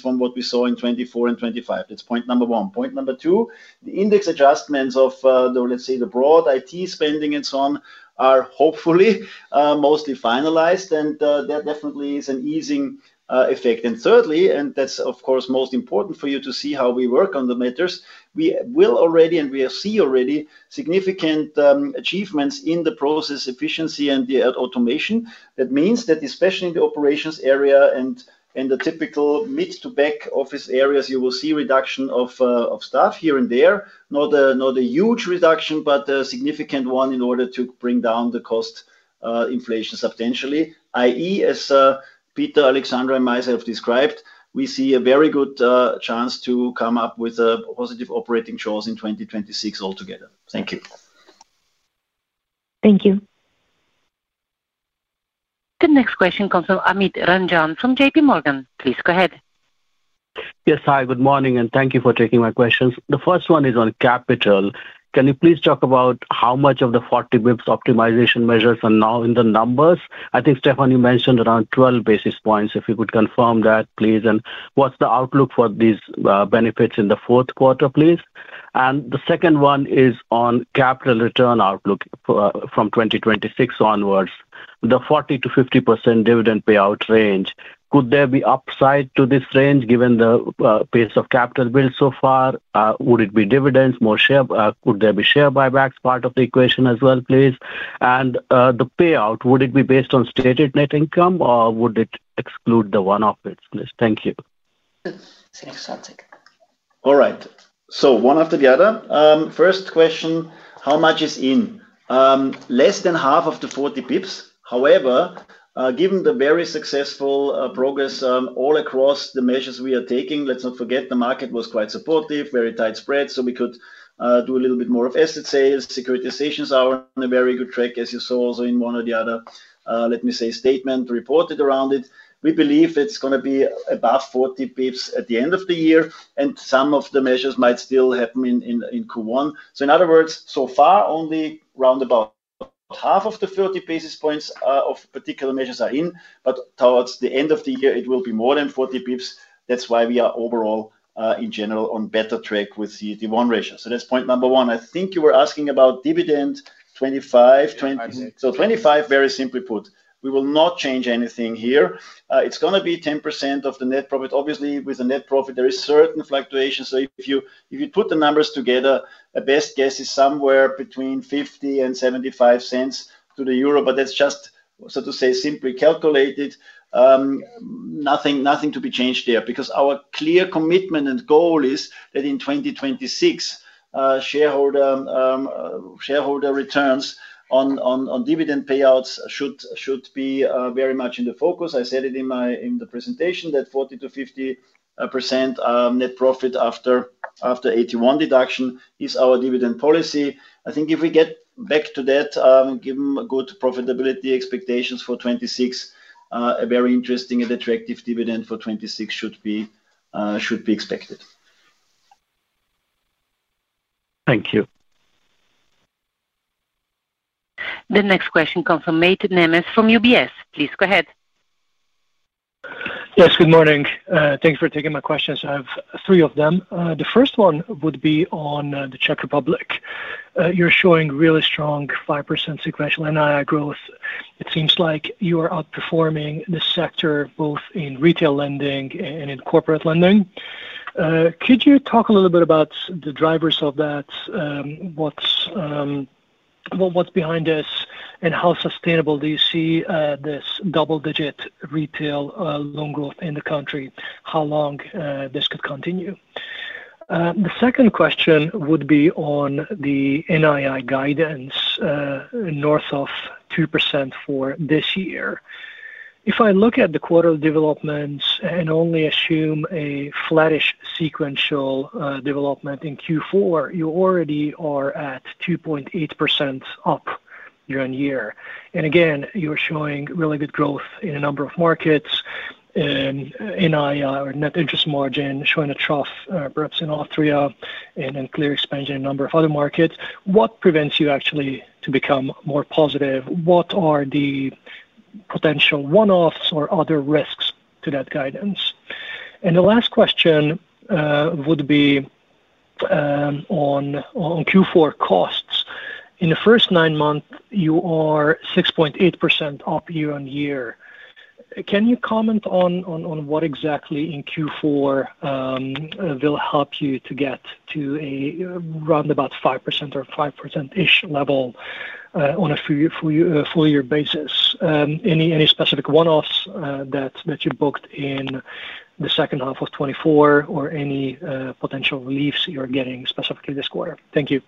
from what we saw in 2024 and 2025. That's point number one. Point number two, the index adjustments of, let's say, the broad IT spending and so on are hopefully mostly finalized, and that definitely is an easing effect. Thirdly, and that's, of course, most important for you to see how we work on the matters, we will already, and we see already, significant achievements in the process efficiency and the automation. That means that especially in the operations area and the typical mid-to-back office areas, you will see reduction of staff here and there, not a huge reduction, but a significant one in order to bring down the cost, inflation substantially. I.e., as Peter, Alexandra, and myself described, we see a very good chance to come up with a positive operating choice in 2026 altogether. Thank you. Thank you. The next question comes from Amit Ranjan from JPMorgan. Please go ahead. Yes, hi, good morning, and thank you for taking my questions. The first one is on capital. Can you please talk about how much of the 40 basis points optimization measures are now in the numbers? I think, Stefan, you mentioned around 12 basis points. If you could confirm that, please. What's the outlook for these benefits in the fourth quarter, please? The second one is on capital return outlook from 2026 onwards, the 40%-50% dividend payout range. Could there be upside to this range given the pace of capital build so far? Would it be dividends, more share? Could there be share buybacks part of the equation as well, please? The payout, would it be based on stated net income, or would it exclude the one-off from its list? Thank you. Stefan, you just can take it.. All right, one after the other. First question, how much is in? Less than half of the 40 basis points. However, given the very successful progress all across the measures we are taking, let's not forget the market was quite supportive, very tight spreads, so we could do a little bit more of asset sales. Securitizations are on a very good track, as you saw also in one or the other, let me say, statement reported around it. We believe it's going to be above 40 basis points at the end of the year, and some of the measures might still happen in Q1. In other words, so far, only roundabout half of the 30 basis points of particular measures are in, but towards the end of the year, it will be more than 40 basis points. That's why we are overall, in general, on a better track with the one ratio. That's point number one. I think you were asking about dividend 0.25. So 0.25, very simply put, we will not change anything here. It's going to be 10% of the net profit. Obviously, with the net profit, there is certain fluctuation. If you put the numbers together, a best guess is somewhere between 0.50 and 0.75 to the euro, but that's just, so to say, simply calculated. Nothing to be changed there because our clear commitment and goal is that in 2026. Shareholder. Returns on dividend payouts should be very much in the focus. I said it in the presentation that 40%-50% net profit after AT1 deduction is our dividend policy. I think if we get back to that, given good profitability expectations for 2026, a very interesting and attractive dividend for 2026 should be expected. Thank you. The next question comes from Máté Nemes from UBS. Please go ahead. Yes, good morning. Thanks for taking my questions. I have three of them. The first one would be on the Czech Republic. You're showing really strong 5% sequential NII growth. It seems like you are outperforming the sector both in retail lending and in corporate lending. Could you talk a little bit about the drivers of that? What's behind this, and how sustainable do you see this double-digit retail loan growth in the country? How long this could continue? The second question would be on the NII guidance. North of 2% for this year. If I look at the quarterly developments and only assume a flattish sequential development in Q4, you already are at 2.8% up year on year. Again, you're showing really good growth in a number of markets. NII or net interest margin showing a trough, perhaps in Austria and clear expansion in a number of other markets. What prevents you actually to become more positive? What are the potential one-offs or other risks to that guidance? The last question would be on Q4 costs. In the first nine months, you are 6.8% up year on year. Can you comment on what exactly in Q4 will help you to get to a roundabout 5% or 5%-ish level on a full-year basis? Any specific one-offs that you booked in the second half of 2024 or any potential reliefs you're getting specifically this quarter? Thank you.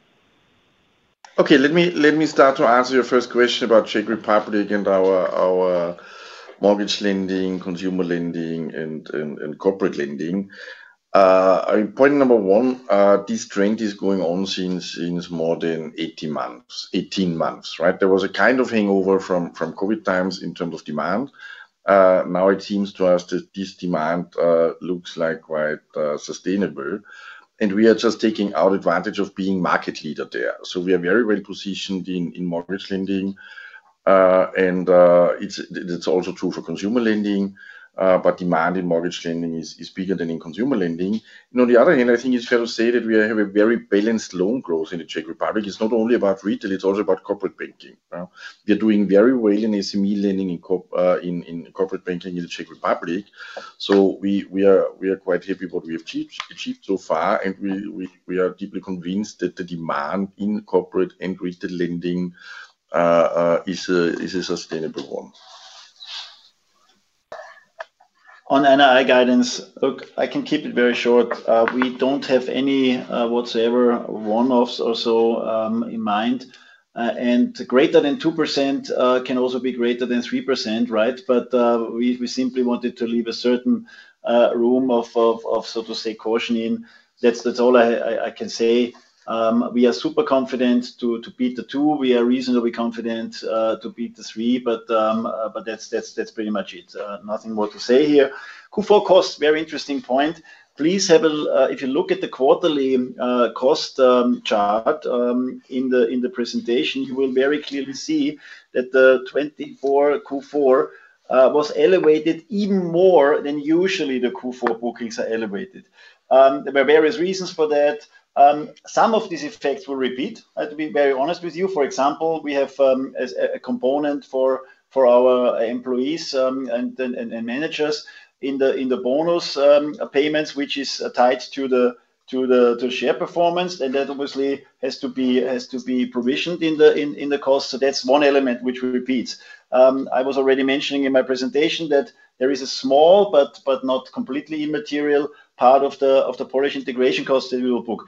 Let me start to answer your first question about Czech Republic and our mortgage lending, consumer lending, and corporate lending. Point number one, this trend is going on since more than 18 months. There was a kind of hangover from COVID times in terms of demand. Now it seems to us that this demand looks quite sustainable, and we are just taking advantage of being market leaders there. We are very well positioned in mortgage lending. It's also true for consumer lending, but demand in mortgage lending is bigger than in consumer lending. On the other hand, I think it's fair to say that we have a very balanced loan growth in the Czech Republic. It's not only about retail, it's also about corporate banking. We are doing very well in SME lending and corporate banking in the Czech Republic. We are quite happy with what we have achieved so far, and we are deeply convinced that the demand in corporate and retail lending is a sustainable one. On NII guidance, look, I can keep it very short. We don't have any whatsoever one-offs or so in mind. Greater than 2% can also be greater than 3%, right? We simply wanted to leave a certain room of, so to say, caution in. That's all I can say. We are super confident to beat the two. We are reasonably confident to beat the three, but that's pretty much it. Nothing more to say here. Q4 cost, very interesting point. Please, if you look at the quarterly cost chart in the presentation, you will very clearly see that the 2024 Q4 was elevated even more than usually the Q4 bookings are elevated. There were various reasons for that. Some of these effects will repeat. I have to be very honest with you. For example, we have a component for our employees and managers in the bonus payments, which is tied to the share performance, and that obviously has to be provisioned in the cost. That's one element which repeats. I was already mentioning in my presentation that there is a small, but not completely immaterial part of the Polish integration cost that we will book.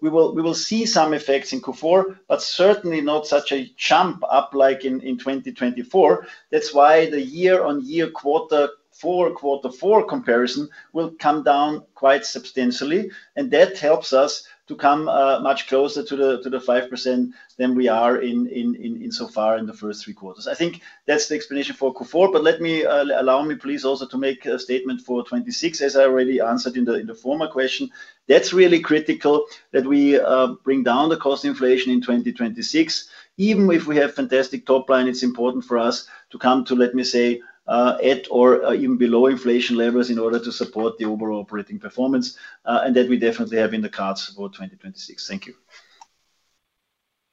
We will see some effects in Q4, but certainly not such a jump up like in 2024. That's why the year-on-year quarter four, quarter four comparison will come down quite substantially, and that helps us to come much closer to the 5% than we are in so far in the first three quarters. I think that's the explanation for Q4, but allow me, please, also to make a statement for 2026, as I already answered in the former question. That's really critical that we bring down the cost inflation in 2026. Even if we have fantastic top line, it's important for us to come to, let me say, at or even below inflation levels in order to support the overall operating performance, and that we definitely have in the cards for 2026. Thank you.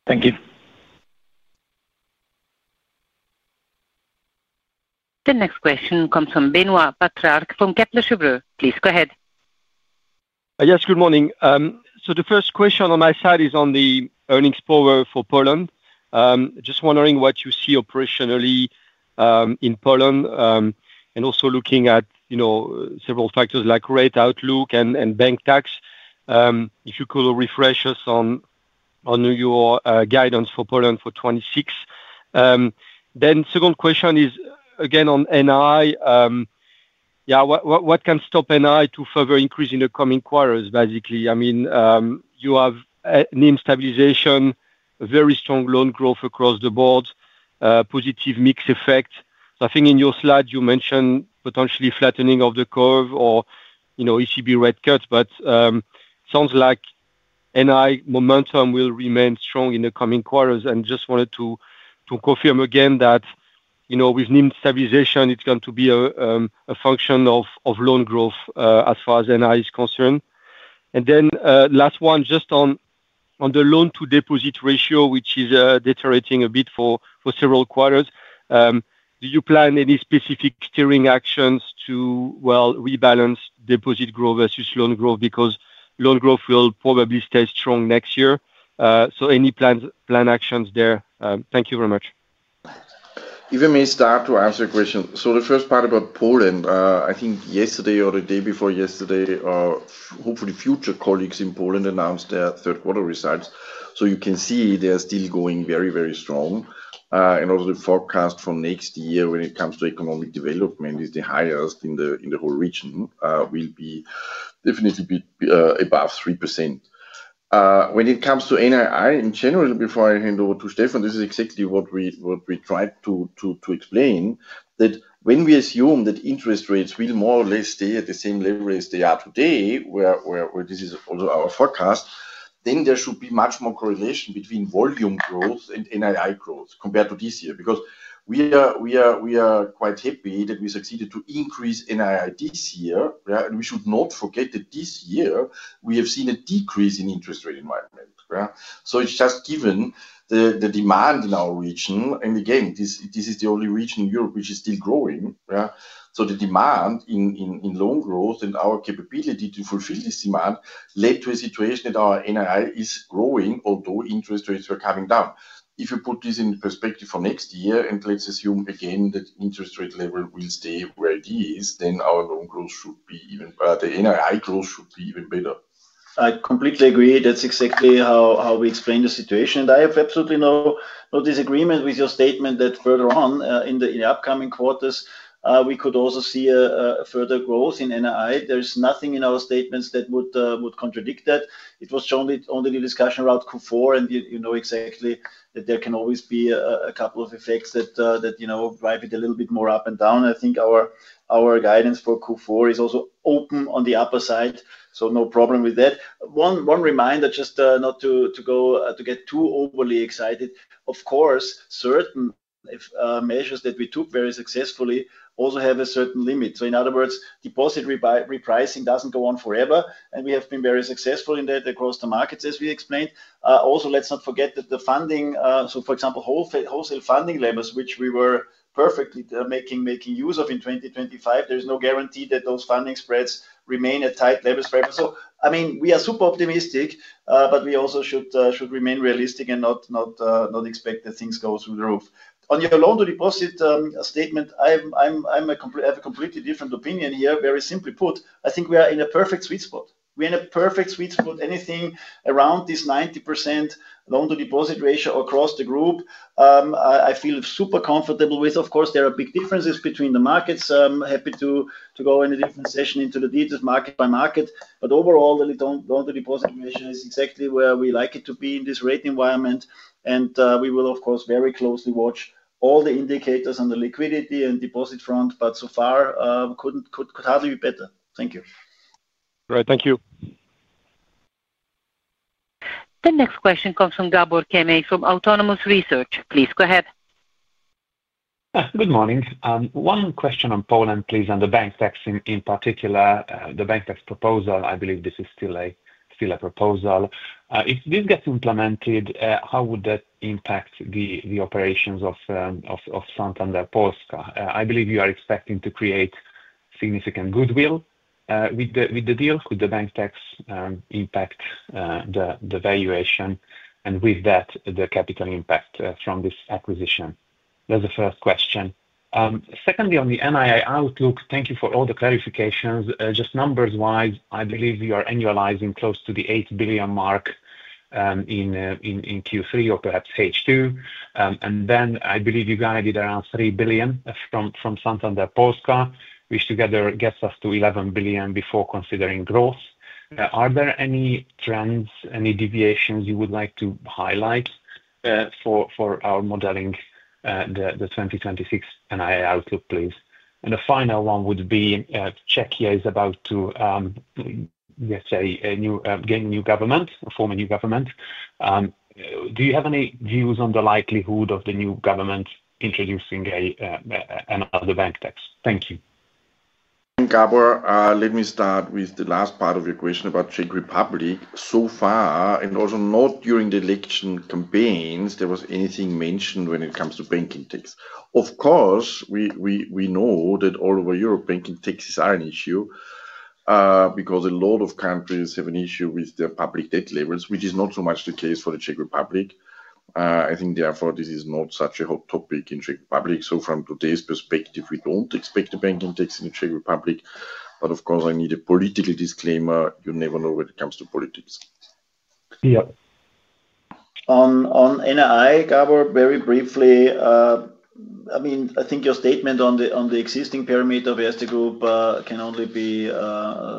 Thank you. The next question comes from Benoît Pétrarque from Kepler Cheuvreux. Please go ahead. Yes, good morning. The first question on my side is on the earnings power for Poland. Just wondering what you see operationally in Poland and also looking at several factors like rate outlook and bank tax. If you could refresh us on your guidance for Poland for 2026. The second question is, again, on NII. Yeah, what can stop NII to further increase in the coming quarters, basically? I mean, you have name stabilization, very strong loan growth across the board, positive mix effect. I think in your slide, you mentioned potentially flattening of the curve or ECB rate cuts, but it sounds like NII momentum will remain strong in the coming quarters. I just wanted to confirm again that with name stabilization, it's going to be a function of loan growth as far as NII is concerned. Last one, just on the loan-to-deposit ratio, which is deteriorating a bit for several quarters. Do you plan any specific steering actions to rebalance deposit growth versus loan growth? Loan growth will probably stay strong next year. Any planned actions there? Thank you very much. If you may start to answer questions. The first part about Poland, I think yesterday or the day before yesterday, hopefully future colleagues in Poland announced their third-quarter results. You can see they are still going very, very strong. The forecast for next year when it comes to economic development is the highest in the whole region and will be definitely above 3%. When it comes to NII in general, before I hand over to Stefan, this is exactly what we tried to explain, that when we assume that interest rates will more or less stay at the same level as they are today, where this is also our forecast, there should be much more correlation between volume growth and NII growth compared to this year. We are quite happy that we succeeded to increase NII this year, and we should not forget that this year we have seen a decrease in interest rate environment. It is just given the demand in our region. This is the only region in Europe which is still growing. The demand in loan growth and our capability to fulfill this demand led to a situation that our NII is growing, although interest rates are coming down. If you put this in perspective for next year, and let's assume again that interest rate level will stay where it is, then our loan growth should be even better. The NII growth should be even better. I completely agree. That's exactly how we explain the situation. I have absolutely no disagreement with your statement that further on in the upcoming quarters, we could also see a further growth in NII. There is nothing in our statements that would contradict that. It was only the discussion around Q4, and you know exactly that there can always be a couple of effects that drive it a little bit more up and down. I think our guidance for Q4 is also open on the upper side, so no problem with that. One reminder, just not to get too overly excited, of course, certain measures that we took very successfully also have a certain limit. In other words, deposit repricing doesn't go on forever, and we have been very successful in that across the markets, as we explained. Also, let's not forget that the funding, for example, wholesale funding levels, which we were perfectly making use of in 2025, there is no guarantee that those funding spreads remain at tight levels. I mean, we are super optimistic, but we also should remain realistic and not expect that things go through the roof. On your loan-to-deposit statement, I have a completely different opinion here. Very simply put, I think we are in a perfect sweet spot. We are in a perfect sweet spot. Anything around this 90% loan-to-deposit ratio across the group, I feel super comfortable with. Of course, there are big differences between the markets. I'm happy to go in a different session into the details market by market. Overall, the loan-to-deposit ratio is exactly where we like it to be in this rate environment. We will, of course, very closely watch all the indicators on the liquidity and deposit front, but so far could hardly be better. Thank you. All right. Thank you. The next question comes from Gabor Kemeny from Autonomous Research. Please go ahead. Good morning. One question on Poland, please, and the bank tax in particular, the bank tax proposal. I believe this is still a proposal. If this gets implemented, how would that impact the operations of Santander Polska? I believe you are expecting to create significant goodwill with the deal. Could the bank tax impact the valuation and with that the capital impact from this acquisition? That's the first question. Secondly, on the NII outlook, thank you for all the clarifications. Just numbers-wise, I believe you are annualizing close to the 8 billion mark in Q3 or perhaps H2. I believe you guided around 3 billion from Santander Polska, which together gets us to 11 billion before considering growth. Are there any trends, any deviations you would like to highlight for our modeling? The 2026 NII outlook, please? The final one would be Czechia is about to. Gain a new government, form a new government. Do you have any views on the likelihood of the new government introducing another bank tax? Thank you. Thank you, Gabor. Let me start with the last part of your question about Czech Republic. So far, and also not during the election campaigns, there was anything mentioned when it comes to banking tax. Of course, we know that all over Europe, banking taxes are an issue because a lot of countries have an issue with their public debt levels, which is not so much the case for the Czech Republic. I think therefore this is not such a hot topic in Czech Republic. From today's perspective, we don't expect a banking tax in the Czech Republic. Of course, I need a political disclaimer. You never know when it comes to politics. Yeah. On NII, Gabor, very briefly. I mean, I think your statement on the existing perimeter of Erste Group can only be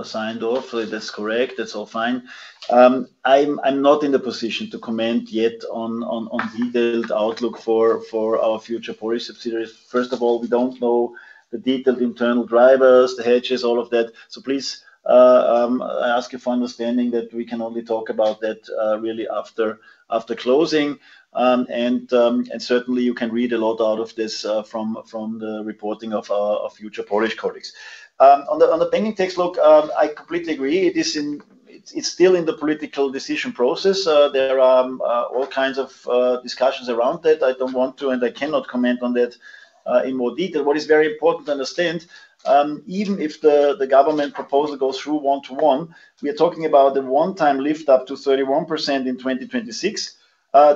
signed off. That's correct. That's all fine. I'm not in the position to comment yet on detailed outlook for our future Polish subsidiaries. First of all, we don't know the detailed internal drivers, the hedges, all of that. Please ask you for understanding that we can only talk about that really after closing. Certainly, you can read a lot out of this from the reporting of our future Polish colleagues. On the banking tax, look, I completely agree. It's still in the political decision process. There are all kinds of discussions around that. I don't want to, and I cannot comment on that in more detail. What is very important to understand, even if the government proposal goes through one-to-one, we are talking about a one-time lift up to 31% in 2026,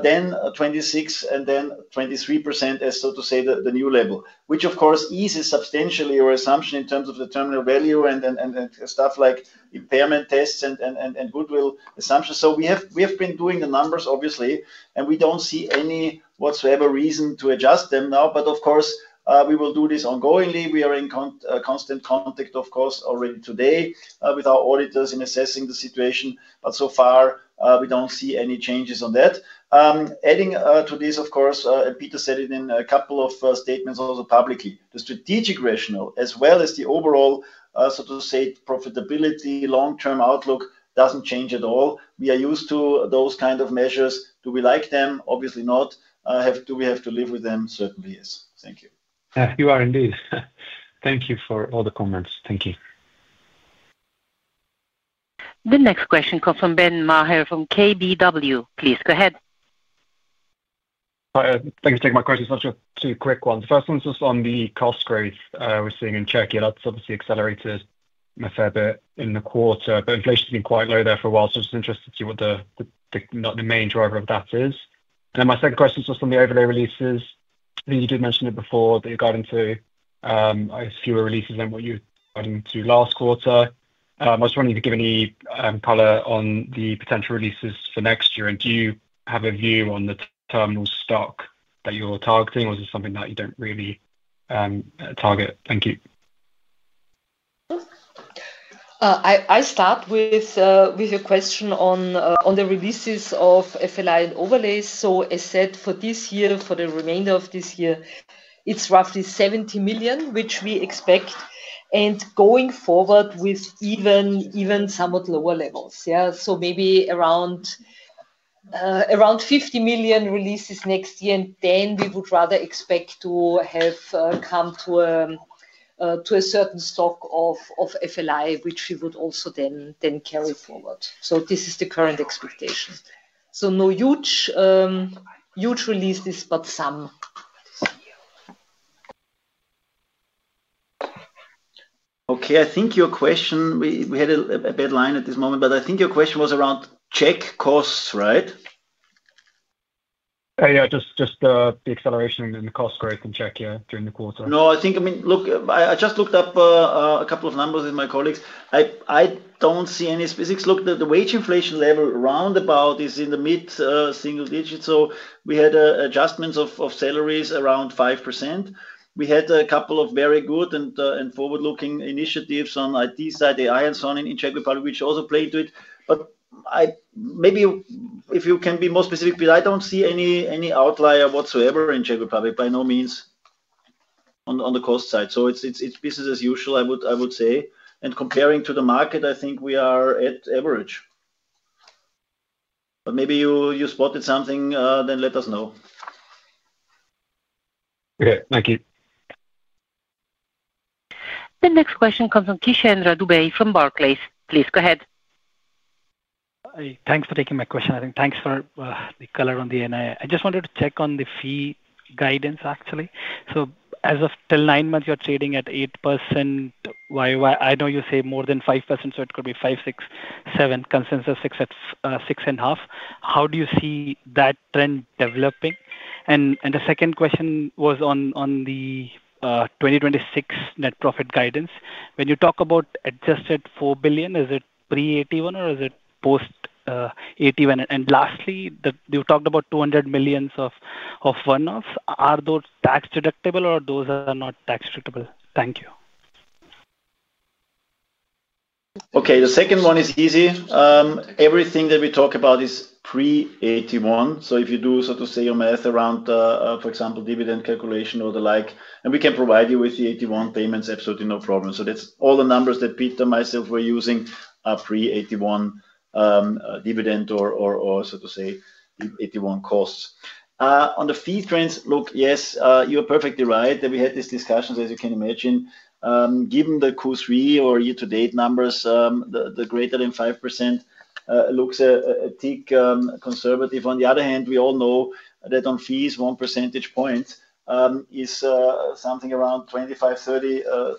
then 26%, and then 23% as, so to say, the new level, which of course eases substantially your assumption in terms of the terminal value and stuff like impairment tests and goodwill assumptions. We have been doing the numbers, obviously, and we don't see any whatsoever reason to adjust them now. Of course, we will do this ongoingly. We are in constant contact, of course, already today with our auditors in assessing the situation. So far, we don't see any changes on that. Adding to this, of course, and Peter said it in a couple of statements also publicly, the strategic rationale, as well as the overall, so to say, profitability, long-term outlook doesn't change at all. We are used to those kinds of measures. Do we like them? Obviously not. Do we have to live with them? Certainly, yes. Thank you. Yeah, you are indeed. Thank you for all the comments. Thank you. The next question comes from Ben Maher from KBW. Please go ahead. Thanks for taking my question. It's not two quick ones. The first one is just on the cost growth we're seeing in Czechia. That's obviously accelerated a fair bit in the quarter, but inflation has been quite low there for a while, so I'm just interested to see what the main driver of that is. My second question is just on the overlay releases. I think you did mention it before that you're guiding to fewer releases than what you were guiding to last quarter. I was wondering if you could give any color on the potential releases for next year. Do you have a view on the terminal stock that you're targeting, or is it something that you don't really target? Thank you. I start with a question on the releases of FLI and overlays. I said for this year, for the remainder of this year, it's roughly 70 million, which we expect, and going forward with even somewhat lower levels. Maybe around 50 million releases next year, and then we would rather expect to have come to a certain stock of FLI, which we would also then carry forward. This is the current expectation. No huge releases, but some. I think your question, we had a bad line at this moment, but I think your question was around Czech costs, right? Yeah. Just the acceleration in the cost growth in Czechia during the quarter. No, I think, I mean, look, I just looked up a couple of numbers with my colleagues. I don't see any specifics. The wage inflation level roundabout is in the mid-single digits. We had adjustments of salaries around 5%. We had a couple of very good and forward-looking initiatives on IT side, AI, and so on in Czech Republic, which also played to it. Maybe if you can be more specific, I don't see any outlier whatsoever in Czech Republic, by no means on the cost side. It's business as usual, I would say. Comparing to the market, I think we are at average. Maybe you spotted something, then let us know. Okay. Thank you. The next question comes from Krishnendra Dubey from Barclays. Please go ahead. Thanks for taking my question. Thanks for the color on the NII. I just wanted to check on the fee guidance, actually. As of till nine months, you're trading at 8%. I know you say more than 5%, so it could be 5, 6, 7, consensus 6.5. How do you see that trend developing? The second question was on the 2026 net profit guidance. When you talk about adjusted 4 billion, is it pre-AT1 or is it post-AT1? Lastly, you talked about 200 million of one-offs. Are those tax deductible or are those not tax deductible? Thank you. The second one is easy. Everything that we talk about is pre-AT1. If you do, so to say, your math around, for example, dividend calculation or the like, we can provide you with the AT1 payments, absolutely no problem. All the numbers that Peter and myself were using are pre-AT1, dividend or, so to say, AT1 costs. On the fee trends, yes, you are perfectly right that we had this discussion, as you can imagine. Given the Q3 or year-to-date numbers, the greater and %, Looks thick, conservative. On the other hand, we all know that on fees, 1 percentage point is something around 25 million,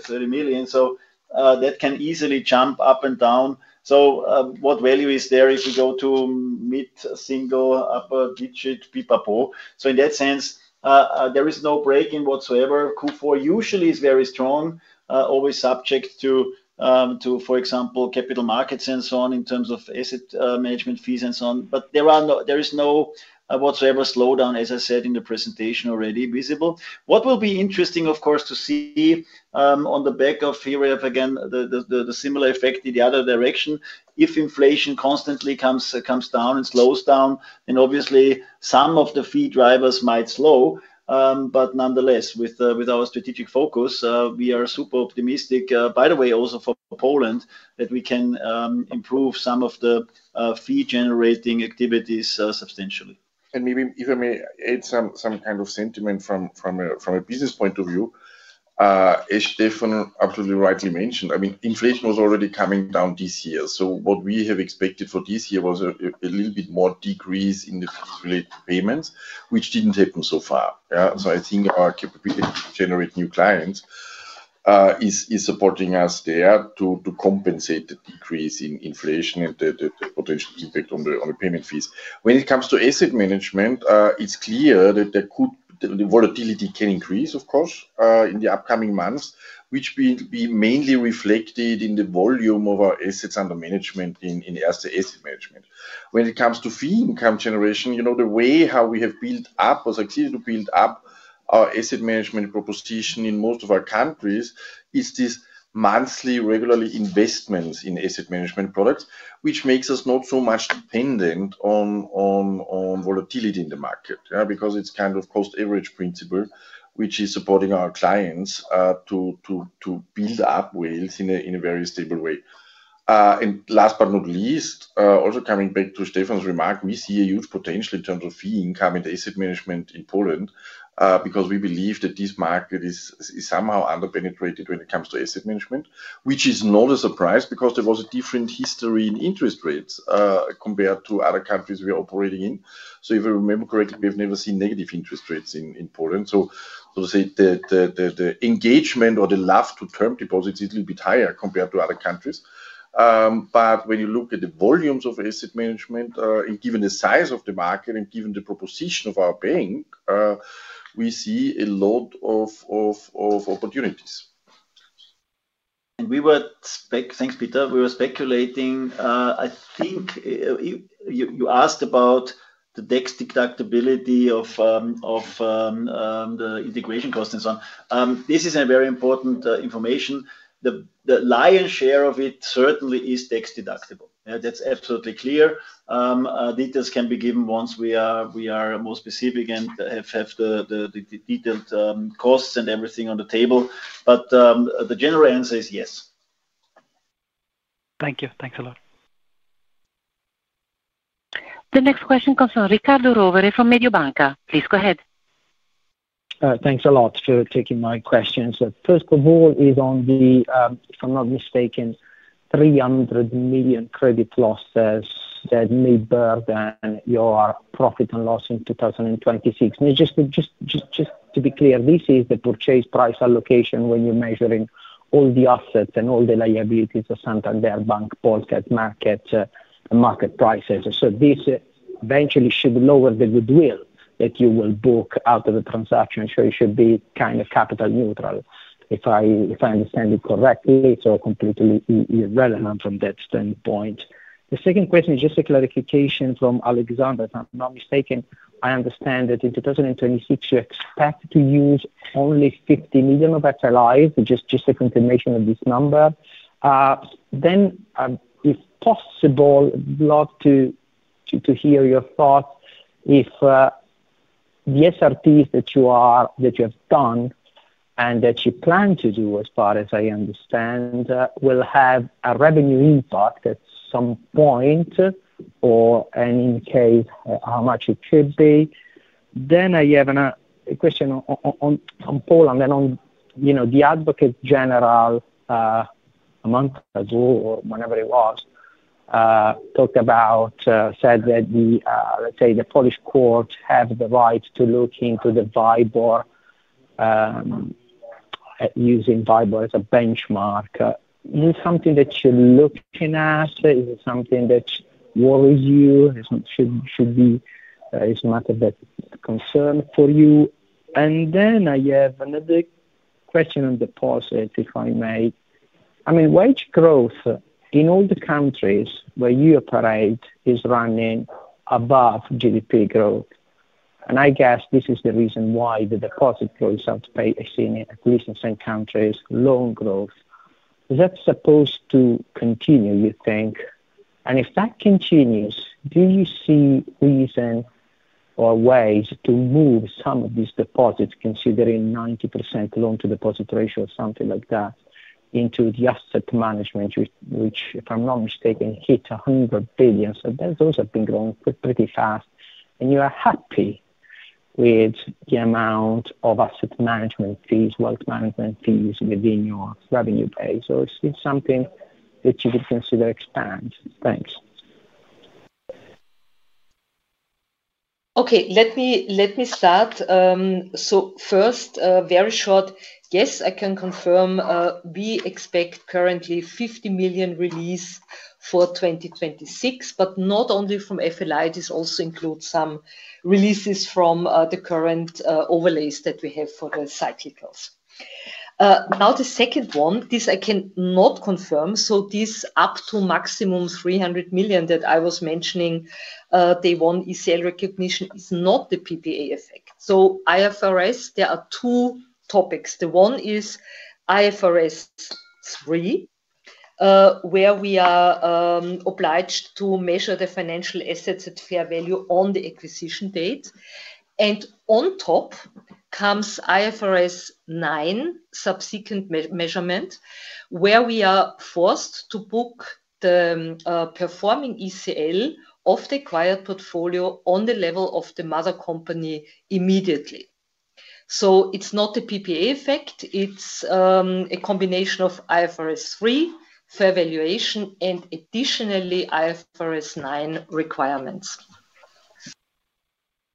30 million. That can easily jump up and down. What value is there if you go to mid single upper digit, peep up? In that sense, there is no breaking whatsoever. Q4 usually is very strong, always subject to, for example, capital markets and so on in terms of asset management fees and so on. There is no whatsoever slowdown, as I said in the presentation already, visible. What will be interesting, of course, to see, on the back of here we have again the similar effect in the other direction. If inflation constantly comes down and slows down, then obviously some of the fee drivers might slow, but nonetheless, with our strategic focus, we are super optimistic, by the way, also for Poland that we can improve some of the fee generating activities substantially. Maybe if I may add some kind of sentiment from a business point of view, as Stefan absolutely rightly mentioned, inflation was already coming down this year. What we have expected for this year was a little bit more decrease in the fee related payments, which didn't happen so far. I think our capability to generate new clients is supporting us there to compensate the decrease in inflation and the potential impact on the payment fees. When it comes to asset management, it's clear that the volatility can increase, of course, in the upcoming months, which will be mainly reflected in the volume of our assets under management in asset management. When it comes to fee income generation, the way how we have built up or succeeded to build up our asset management proposition in most of our countries is this monthly, regularly investments in asset management products, which makes us not so much dependent on volatility in the market, because it's kind of cost average principle, which is supporting our clients to build up wealth in a very stable way. Last but not least, also coming back to Stefan's remark, we see a huge potential in terms of fee income and asset management in Poland, because we believe that this market is somehow under-penetrated when it comes to asset management, which is not a surprise because there was a different history in interest rates compared to other countries we are operating in. If I remember correctly, we've never seen negative interest rates in Poland. To say, the engagement or the love to term deposits is a little bit higher compared to other countries. When you look at the volumes of asset management, and given the size of the market and given the proposition of our bank, we see a lot of opportunities. Thank you, Peter. We were speculating, I think you asked about the tax deductibility of the integration costs and so on. This is very important information. The lion's share of it certainly is tax deductible. That's absolutely clear. Details can be given once we are more specific and have the detailed costs and everything on the table. The general answer is yes. Thank you. Thanks a lot. The next question comes from Riccardo Rovere from Mediobanca. Please go ahead. Thanks a lot for taking my questions. First of all, is on the, if I'm not mistaken, 300 million credit losses that may burden your profit and loss in 2026. Just to be clear, this is the purchase price allocation when you're measuring all the assets and all the liabilities of Santander Bank Polska at market prices. This eventually should lower the goodwill that you will book out of the transaction. It should be kind of capital neutral, if I understand it correctly. Completely irrelevant from that standpoint. The second question is just a clarification from Alexandra. If I'm not mistaken, I understand that in 2026 you expect to use only 50 million of FLIs, just a confirmation of this number. If possible, I'd love to hear your thoughts if the SRTs that you have done and that you plan to do, as far as I understand, will have a revenue impact at some point. In case, how much it should be. I have a question on Poland and on the Advocate General, a month ago or whenever it was, talked about, said that the, let's say, the Polish courts have the right to look into the VIBOR. Using VIBOR as a benchmark. Is it something that you're looking at? Is it something that worries you? Is it a matter of concern for you? I have another question on deposits, if I may. Wage growth in all the countries where you operate is running above GDP growth. I guess this is the reason why the deposit growth, I've seen it at least in some countries, exceeds loan growth. Is that supposed to continue, you think? If that continues, do you see reason or ways to move some of these deposits, considering 90% loan to deposit ratio or something like that, into the asset management, which, if I'm not mistaken, hit 100 billion? Those have been growing pretty fast. Are you happy with the amount of Asset Management fees, wealth management fees within your revenue base? Or is it something that you would consider expanding? Thanks. Okay. Let me start. Yes, I can confirm, we expect currently 50 million release for 2026, but not only from FLI, this also includes some releases from the current overlays that we have for the cyclicals. The second one, this I cannot confirm. This up to maximum 300 million that I was mentioning, day one is sale recognition, is not the PPA effect. Under IFRS, there are two topics. One is IFRS 3, where we are obliged to measure the financial assets at fair value on the acquisition date. On top comes IFRS 9, subsequent measurement, where we are forced to book the performing ECL of the acquired portfolio on the level of the mother company immediately. It is not the PPA effect. It is a combination of IFRS 3 fair valuation and additionally IFRS 9 requirements.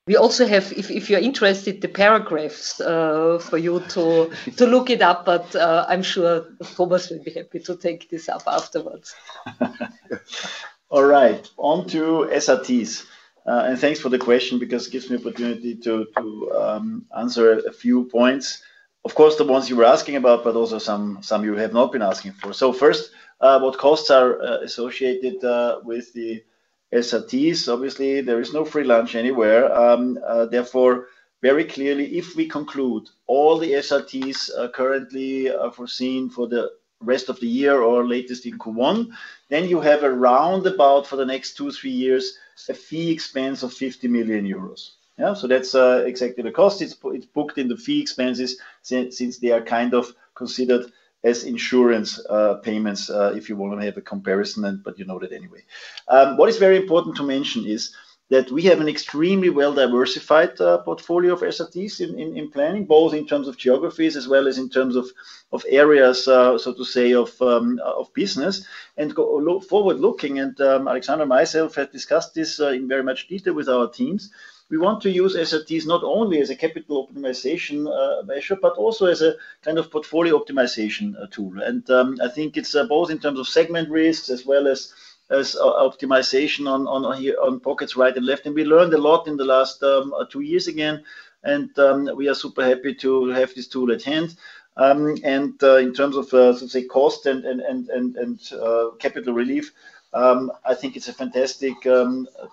We also have, if you're interested, the paragraphs for you to look it up. I'm sure Thomas will be happy to take this up afterwards. All right. Onto SRTs. Thanks for the question because it gives me opportunity to answer a few points. Of course, the ones you were asking about, but also some you have not been asking for. First, what costs are associated with the SRTs? Obviously, there is no free lunch anywhere. Therefore, very clearly, if we conclude all the SRTs currently foreseen for the rest of the year or latest in Q1, then you have around about for the next two, three years, a fee expense of 50 million euros. Yeah. So that's exactly the cost. It's booked in the fee expenses since they are kind of considered as insurance payments, if you want to have a comparison, and you know that anyway. What is very important to mention is that we have an extremely well-diversified portfolio of SRTs in planning, both in terms of geographies as well as in terms of areas, so to say, of business. Going forward, Alexandra and myself have discussed this in very much detail with our teams. We want to use SRTs not only as a capital optimization measure, but also as a kind of portfolio optimization tool. I think it's both in terms of segment risks as well as optimization on here, on pockets right and left. We learned a lot in the last two years again. We are super happy to have this tool at hand. In terms of cost and capital relief, I think it's a fantastic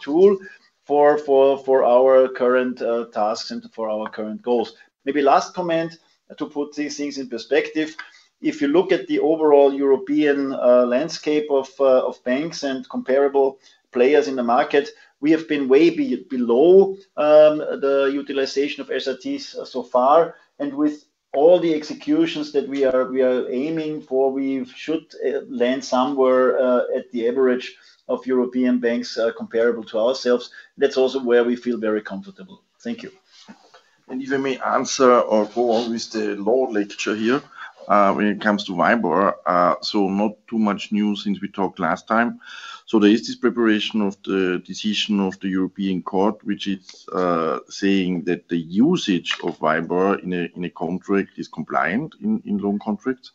tool for our current tasks and for our current goals. Maybe last comment to put these things in perspective. If you look at the overall European landscape of banks and comparable players in the market, we have been way below the utilization of SRTs so far. With all the executions that we are aiming for, we should land somewhere at the average of European banks, comparable to ourselves. That's also where we feel very comfortable. Thank you. If I may answer or go on with the law lecture here, when it comes to VIBOR, not too much news since we talked last time. There is this preparation of the decision of the European Court, which is saying that the usage of VIBOR in a contract is compliant in loan contracts.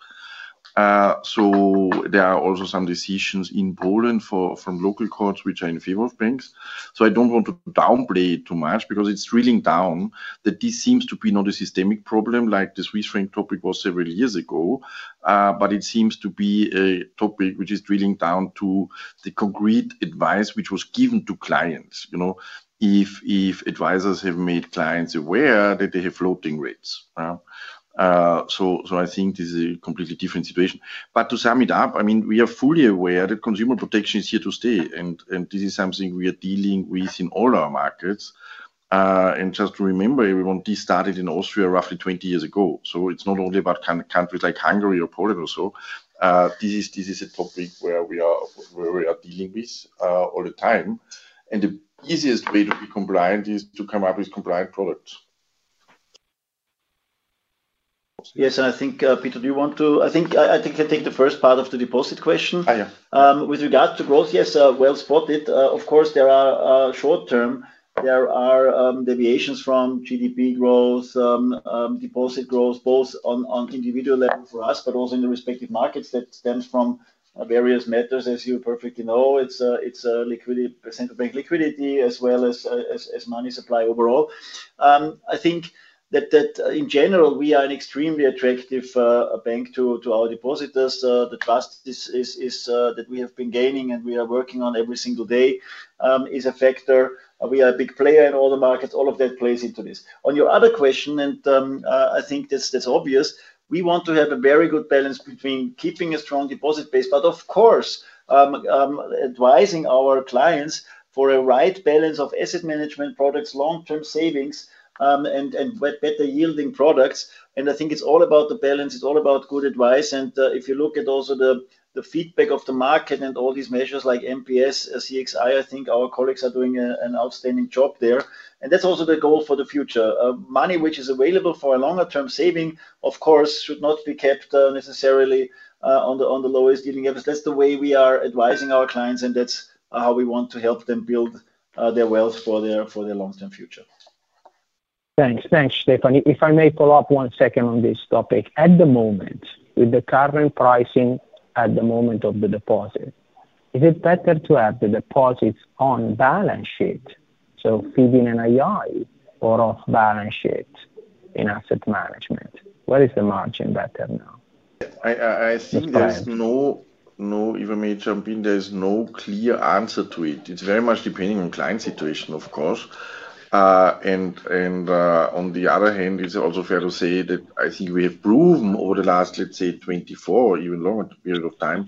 There are also some decisions in Poland from local courts, which are in favor of banks. I don't want to downplay it too much because it's drilling down that this seems to be not a systemic problem, like the Swiss franc topic was several years ago. It seems to be a topic which is drilling down to the concrete advice which was given to clients, you know, if advisors have made clients aware that they have floating rates, right? I think this is a completely different situation. To sum it up, we are fully aware that consumer protection is here to stay. This is something we are dealing with in all our markets. Just to remember, everyone, this started in Austria roughly 20 years ago. It's not only about kind of countries like Hungary or Poland. This is a topic where we are dealing with it all the time. The easiest way to be compliant is to come up with compliant products. Yes. Peter, do you want to, I think I take the first part of the deposit question. Yeah. With regard to growth, yes, well spotted. Of course, short term, there are deviations from GDP growth, deposit growth, both on individual level for us, but also in the respective markets. That stems from various matters, as you perfectly know. It's a liquidity, central bank liquidity, as well as money supply overall. I think that in general, we are an extremely attractive bank to our depositors. The trust that we have been gaining and we are working on every single day is a factor. We are a big player in all the markets. All of that plays into this. On your other question, I think that's obvious, we want to have a very good balance between keeping a strong deposit base, but of course, advising our clients for a right balance of asset management products, long-term savings, and better yielding products. I think it's all about the balance. It's all about good advice. If you look at also the feedback of the market and all these measures like MPS, CXI, I think our colleagues are doing an outstanding job there. That's also the goal for the future. Money which is available for a longer-term saving, of course, should not be kept necessarily on the lowest dealing levels. That's the way we are advising our clients. That's how we want to help them build their wealth for their long-term future. Thanks. Thanks, Stefan. If I may follow up one second on this topic. At the moment, with the current pricing at the moment of the deposit, is it better to have the deposits on balance sheet, so feeding an NII, or off balance sheet in Asset Management? Where is the margin better now? I think there's no clear answer to it. It's very much depending on client situation, of course. On the other hand, it's also fair to say that I think we have proven over the last, let's say, 24, even longer period of time,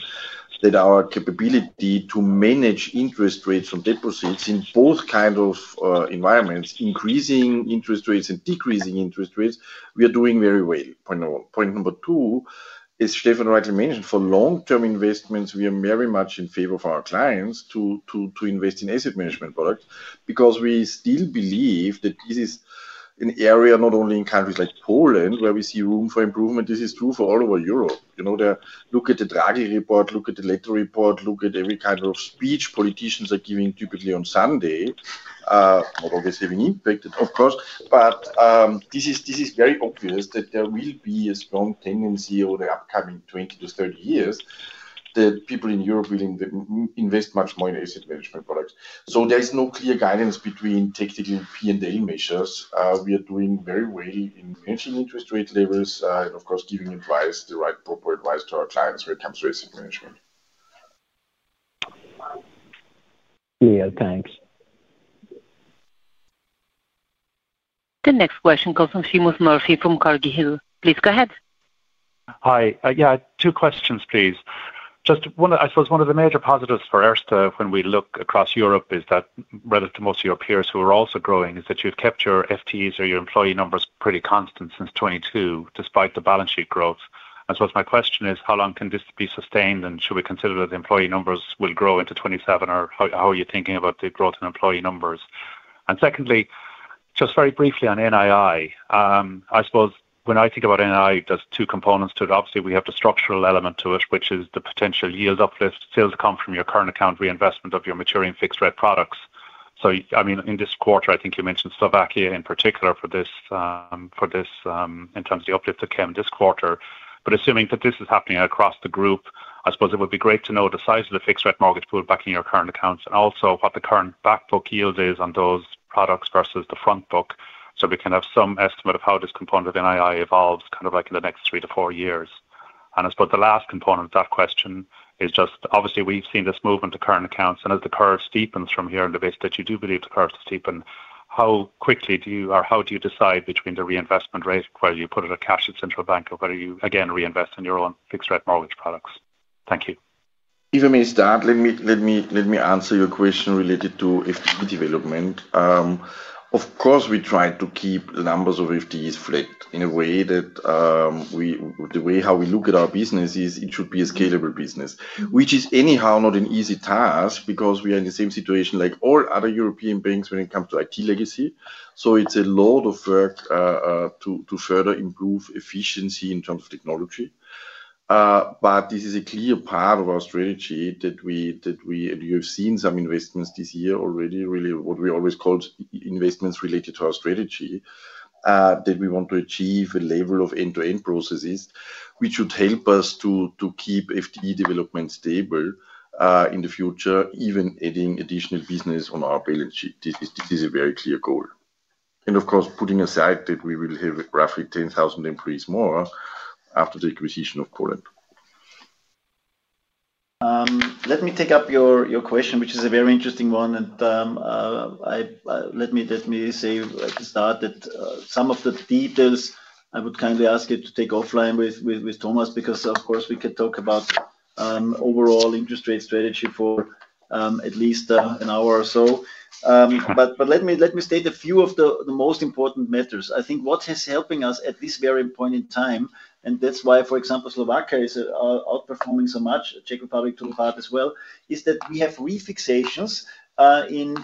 that our capability to manage interest rates on deposits in both kinds of environments, increasing interest rates and decreasing interest rates, we are doing very well. Point number one. Point number two is, Stefan rightly mentioned, for long-term investments, we are very much in favor of our clients to invest in asset management products because we still believe that this is an area not only in countries like Poland where we see room for improvement. This is true for all over Europe. You know, look at the Draghi report, look at the later report, look at every kind of speech politicians are giving typically on Sunday, not always having impact, of course. This is very obvious that there will be a strong tendency over the upcoming 20-30 years that people in Europe will invest much more in asset management products. There is no clear guidance between technically P&L measures. We are doing very well in managing interest rate levels, and of course giving advice, the right proper advice to our clients when it comes to asset management. Yeah. Thanks. The next question comes from Seamus Murphy from Carraighill. Please go ahead. Hi. Yeah, two questions, please. Just one, I suppose one of the major positives for Erste when we look across Europe is that, relative to most of your peers who are also growing, is that you've kept your FTEs or your employee numbers pretty constant since 2022 despite the balance sheet growth. I suppose my question is, how long can this be sustained? Should we consider that the employee numbers will grow into 2027? How are you thinking about the growth in employee numbers? Secondly, just very briefly on NII, I suppose when I think about NII, there are two components to it. Obviously, we have the structural element to it, which is the potential yield uplift, sales come from your current account, reinvestment of your maturing fixed rate products. In this quarter, I think you mentioned Slovakia in particular for this, in terms of the uplift that came this quarter. Assuming that this is happening across the group, I suppose it would be great to know the size of the fixed rate mortgage pool back in your current accounts and also what the current backbook yield is on those products versus the front book, so we can have some estimate of how this component of NII evolves in the next three to four years. The last component of that question is, obviously, we've seen this move into current accounts. As the curve steepens from here and the base that you do believe the curve to steepen, how quickly do you, or how do you decide between the reinvestment rate where you put it at cash at central bank or whether you again reinvest in your own fixed rate mortgage products? Thank you. If I may start, let me answer your question related to FTE development. Of course, we try to keep the numbers of FTEs flat in a way that we, the way how we look at our business is it should be a scalable business, which is anyhow not an easy task because we are in the same situation like all other European banks when it comes to IT legacy. It's a lot of work to further improve efficiency in terms of technology. This is a clear part of our strategy that we, and you've seen some investments this year already, really what we always called investments related to our strategy, that we want to achieve a level of end-to-end processes which should help us to keep FTE development stable in the future, even adding additional business on our balance sheet. This is a very clear goal. Of course, putting aside that we will have roughly 10,000 employees more after the acquisition of Poland. Let me take up your question, which is a very interesting one. Let me say at the start that some of the details I would kindly ask you to take offline with Thomas because of course we could talk about overall interest rate strategy for at least an hour or so. Let me state a few of the most important matters. I think what is helping us at this very point in time, and that's why, for example, Slovakia is outperforming so much, Czech Republic to a part as well, is that we have refixations in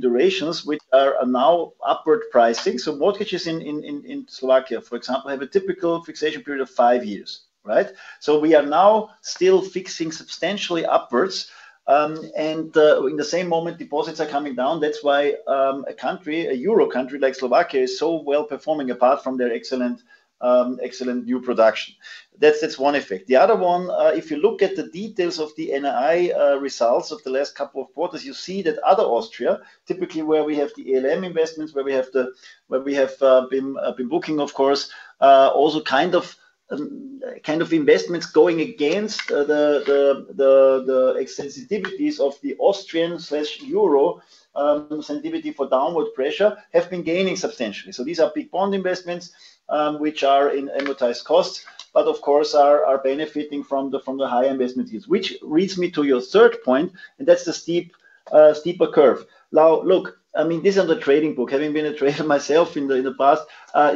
durations which are now upward pricing. Mortgages in Slovakia, for example, have a typical fixation period of five years, right? We are now still fixing substantially upwards, and in the same moment, deposits are coming down. That's why a country, a Euro country like Slovakia, is so well performing apart from their excellent new production. That's one effect. The other one, if you look at the details of the NII results of the last couple of quarters, you see that Austria, typically where we have the ALM investments, where we have been booking, of course, also kind of investments going against the extensivities of the Austrian/Euro sensitivity for downward pressure, have been gaining substantially. These are big bond investments, which are in amortized costs, but of course are benefiting from the high investment yields, which leads me to your third point, and that's the steeper curve. Now look, I mean, this is on the trading book. Having been a trader myself in the past,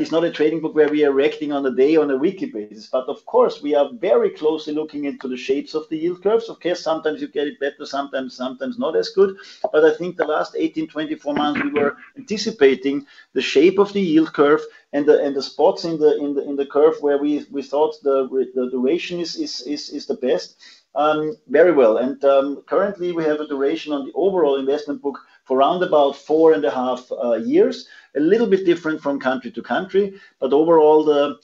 it's not a trading book where we are reacting on a day or a weekly basis, but of course we are very closely looking into the shapes of the yield curves. Of course, sometimes you get it better, sometimes not as good. I think the last 18, 24 months we were anticipating the shape of the yield curve and the spots in the curve where we thought the duration is the best, very well. Currently we have a duration on the overall investment book for roundabout four and a half years, a little bit different from country to country, but overall the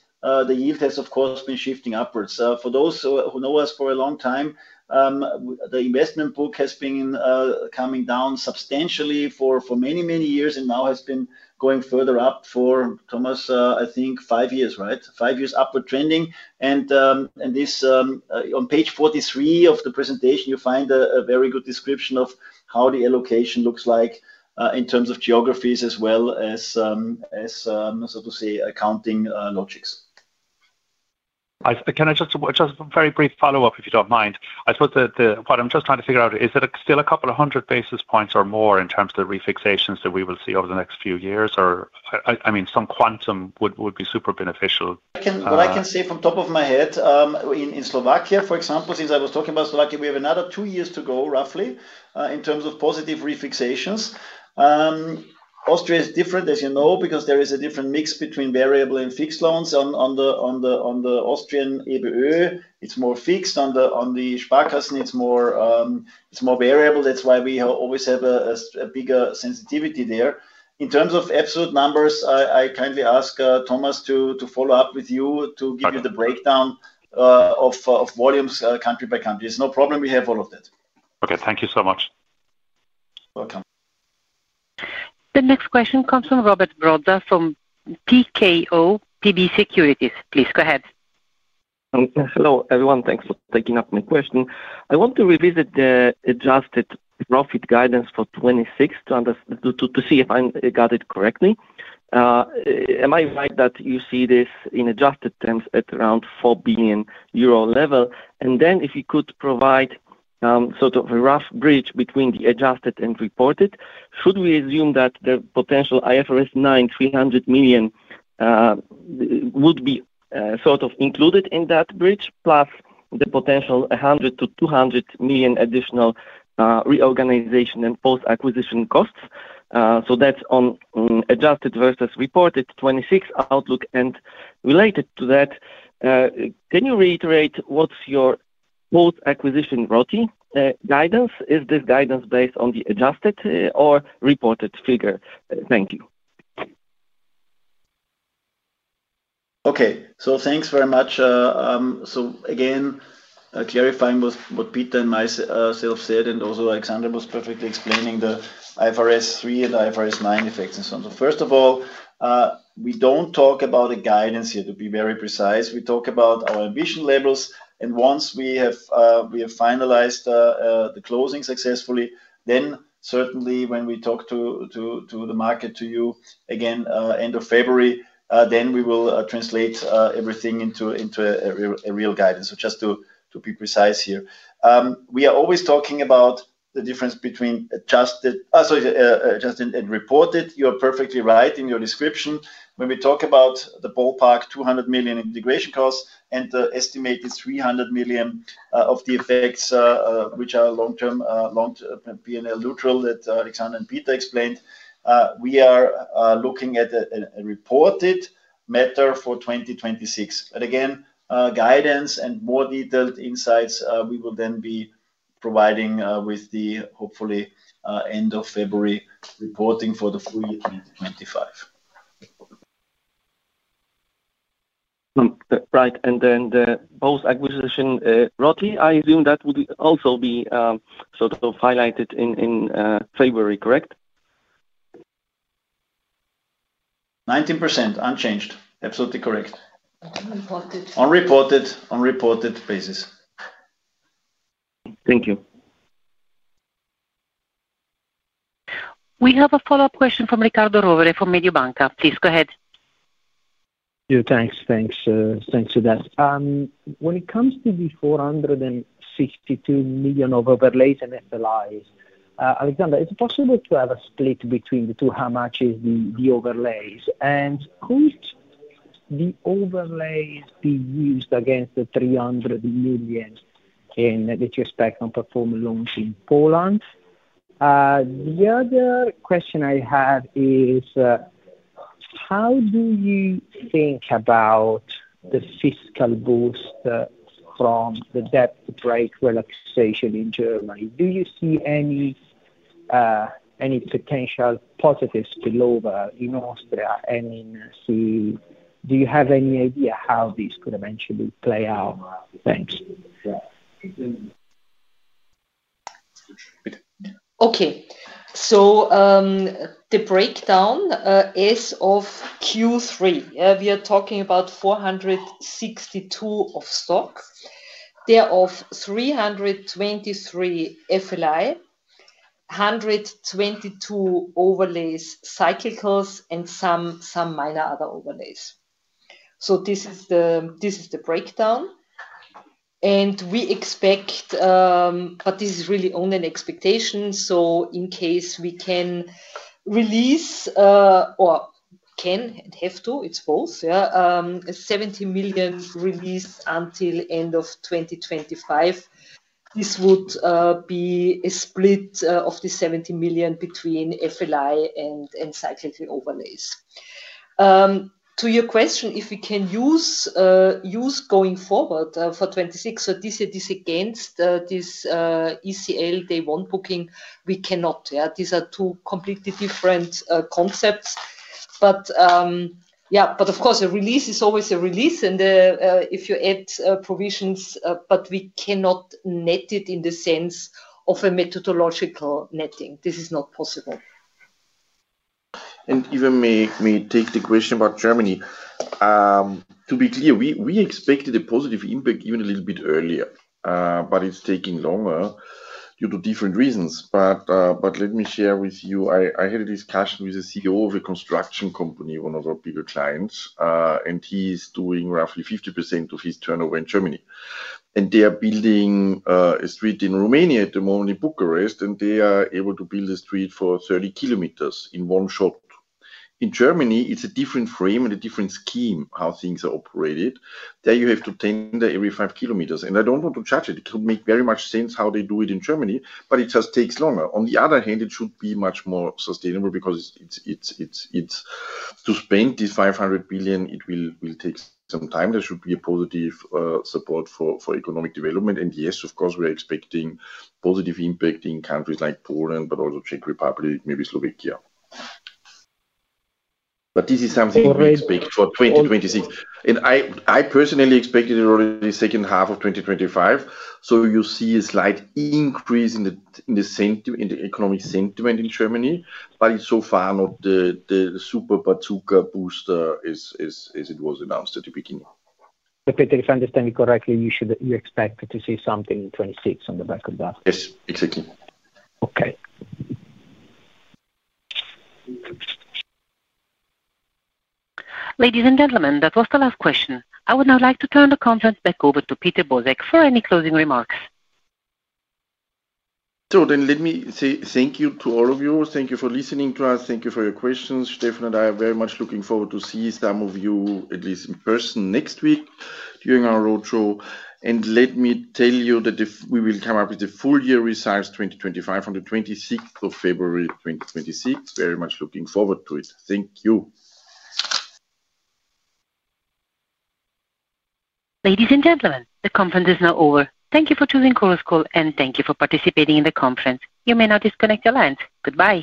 yield has of course been shifting upwards. For those who know us for a long time, the investment book has been coming down substantially for many, many years and now has been going further up. For Thomas, I think five years, right? Five years upward trending. On page 43 of the presentation, you find a very good description of how the allocation looks like in terms of geographies as well as, so to say, accounting logics. Can I just, just a very brief follow-up if you don't mind? I suppose that what I'm just trying to figure out is that still a couple of hundred basis points or more in terms of the refixations that we will see over the next few years, or I mean, some quantum would be super beneficial. What I can say from top of my head, in Slovakia, for example, since I was talking about Slovakia, we have another two years to go roughly in terms of positive refixations. Austria is different, as you know, because there is a different mix between variable and fixed loans on the Austrian RBA. It's more fixed on the Sparkassen. It's more variable. That's why we always have a bigger sensitivity there. In terms of absolute numbers, I kindly ask Thomas to follow up with you to give you the breakdown of volumes, country by country. It's no problem. We have all of that. Okay, thank you so much. Welcome. The next question comes from Robert Brzoza from PKO Securities. Please go ahead. Okay. Hello everyone. Thanks for taking up my question. I want to revisit the adjusted profit guidance for 2026 to understand, to see if I got it correctly. Am I right that you see this in adjusted terms at around 4 billion euro level? If you could provide sort of a rough bridge between the adjusted and reported, should we assume that the potential IFRS 9, 300 million, would be included in that bridge plus the potential 100 million-200 million additional reorganization and post-acquisition costs? That's on adjusted versus reported 2026 outlook. Related to that, can you reiterate post-acquisition Return on Tangible Equity guidance? Is this guidance based on the adjusted or reported figure? Thank you. Okay. Thanks very much. Again, clarifying what Peter and myself said, and also Alexandra was perfectly explaining the IFRS 3 and IFRS 9 effects and so on. First of all, we don't talk about a guidance here, to be very precise. We talk about our ambition levels. Once we have finalized the closing successfully, certainly when we talk to the market, to you again, end of February, we will translate everything into a real guidance. Just to be precise here, we are always talking about the difference between adjusted and reported. You are perfectly right in your description when we talk about the ballpark 200 million integration costs and the estimated 300 million of the effects, which are long-term, long P&L neutral that Alexandra and Peter explained. We are looking at a reported matter for 2026. Again, guidance and more detailed insights, we will then be providing with the hopefully end of February reporting for the full year 2025. Right. The post-acquisition ROI, I assume that would also be highlighted in February, correct? 19% unchanged. Absolutely correct. Unreported. Unreported, unreported basis. Thank you. We have a follow-up question from Riccardo Rovere from Mediobanca. Please go ahead. Yeah. Thanks. Thanks. Thanks for that. When it comes to the 462 million of overlays and FLIs, Alexandra, is it possible to have a split between the two, how much is the overlays? And could the overlays be used against the 300 million in the two spectrum performing loans in Poland? The other question I have is, how do you think about the fiscal boost from the debt-to-break relaxation in Germany? Do you see any potential positives to lower in Austria and in C? Do you have any idea how this could eventually play out? Thanks. Okay. The breakdown is of Q3. We are talking about 462 of stock. There are 323 FLI, 122 overlays, cyclicals, and some minor other overlays. This is the breakdown. We expect, but this is really only an expectation, in case we can release, or can and have to, it's both, 70 million released until end of 2025. This would be a split of the 70 million between FLI and cyclical overlays. To your question, if we can use going forward for 2026, this year, this against this ECL day one booking, we cannot, yeah? These are two completely different concepts. Of course, a release is always a release. If you add provisions, we cannot net it in the sense of a methodological netting. This is not possible. If I may take the question about Germany, to be clear, we expected a positive impact even a little bit earlier, but it's taking longer due to different reasons. Let me share with you, I had a discussion with the CEO of a construction company, one of our bigger clients, and he's doing roughly 50% of his turnover in Germany. They are building a street in Romania at the moment in Bucharest, and they are able to build a street for 30 km in one shot. In Germany, it's a different frame and a different scheme how things are operated. There you have to tender every 5 km. I don't want to judge it. It could make very much sense how they do it in Germany, but it just takes longer. On the other hand, it should be much more sustainable because to spend this 500 billion, it will take some time. There should be a positive support for economic development. Yes, of course, we're expecting positive impact in countries like Poland, but also Czech Republic, maybe Slovakia. This is something we expect for 2026. I personally expected it already the second half of 2025. You see a slight increase in the sentiment, in the economic sentiment in Germany, but it's so far not the super bazooka booster as it was announced at the beginning. Peter, if I understand you correctly, you expect to see something in 2026 on the back of that. Yes, exactly. Okay. Ladies and gentlemen, that was the last question. I would now like to turn the conference back over to Peter Bosek for any closing remarks. Thank you to all of you. Thank you for listening to us. Thank you for your questions. Stefan and I are very much looking forward to see some of you, at least in person, next week during our roadshow. Let me tell you that we will come up with full year results 2025 on the 26th of February 2026. Very much looking forward to it. Thank you. Ladies and gentlemen, the conference is now over. Thank you for choosing Coruscal, and thank you for participating in the conference. You may now disconnect your lines. Goodbye.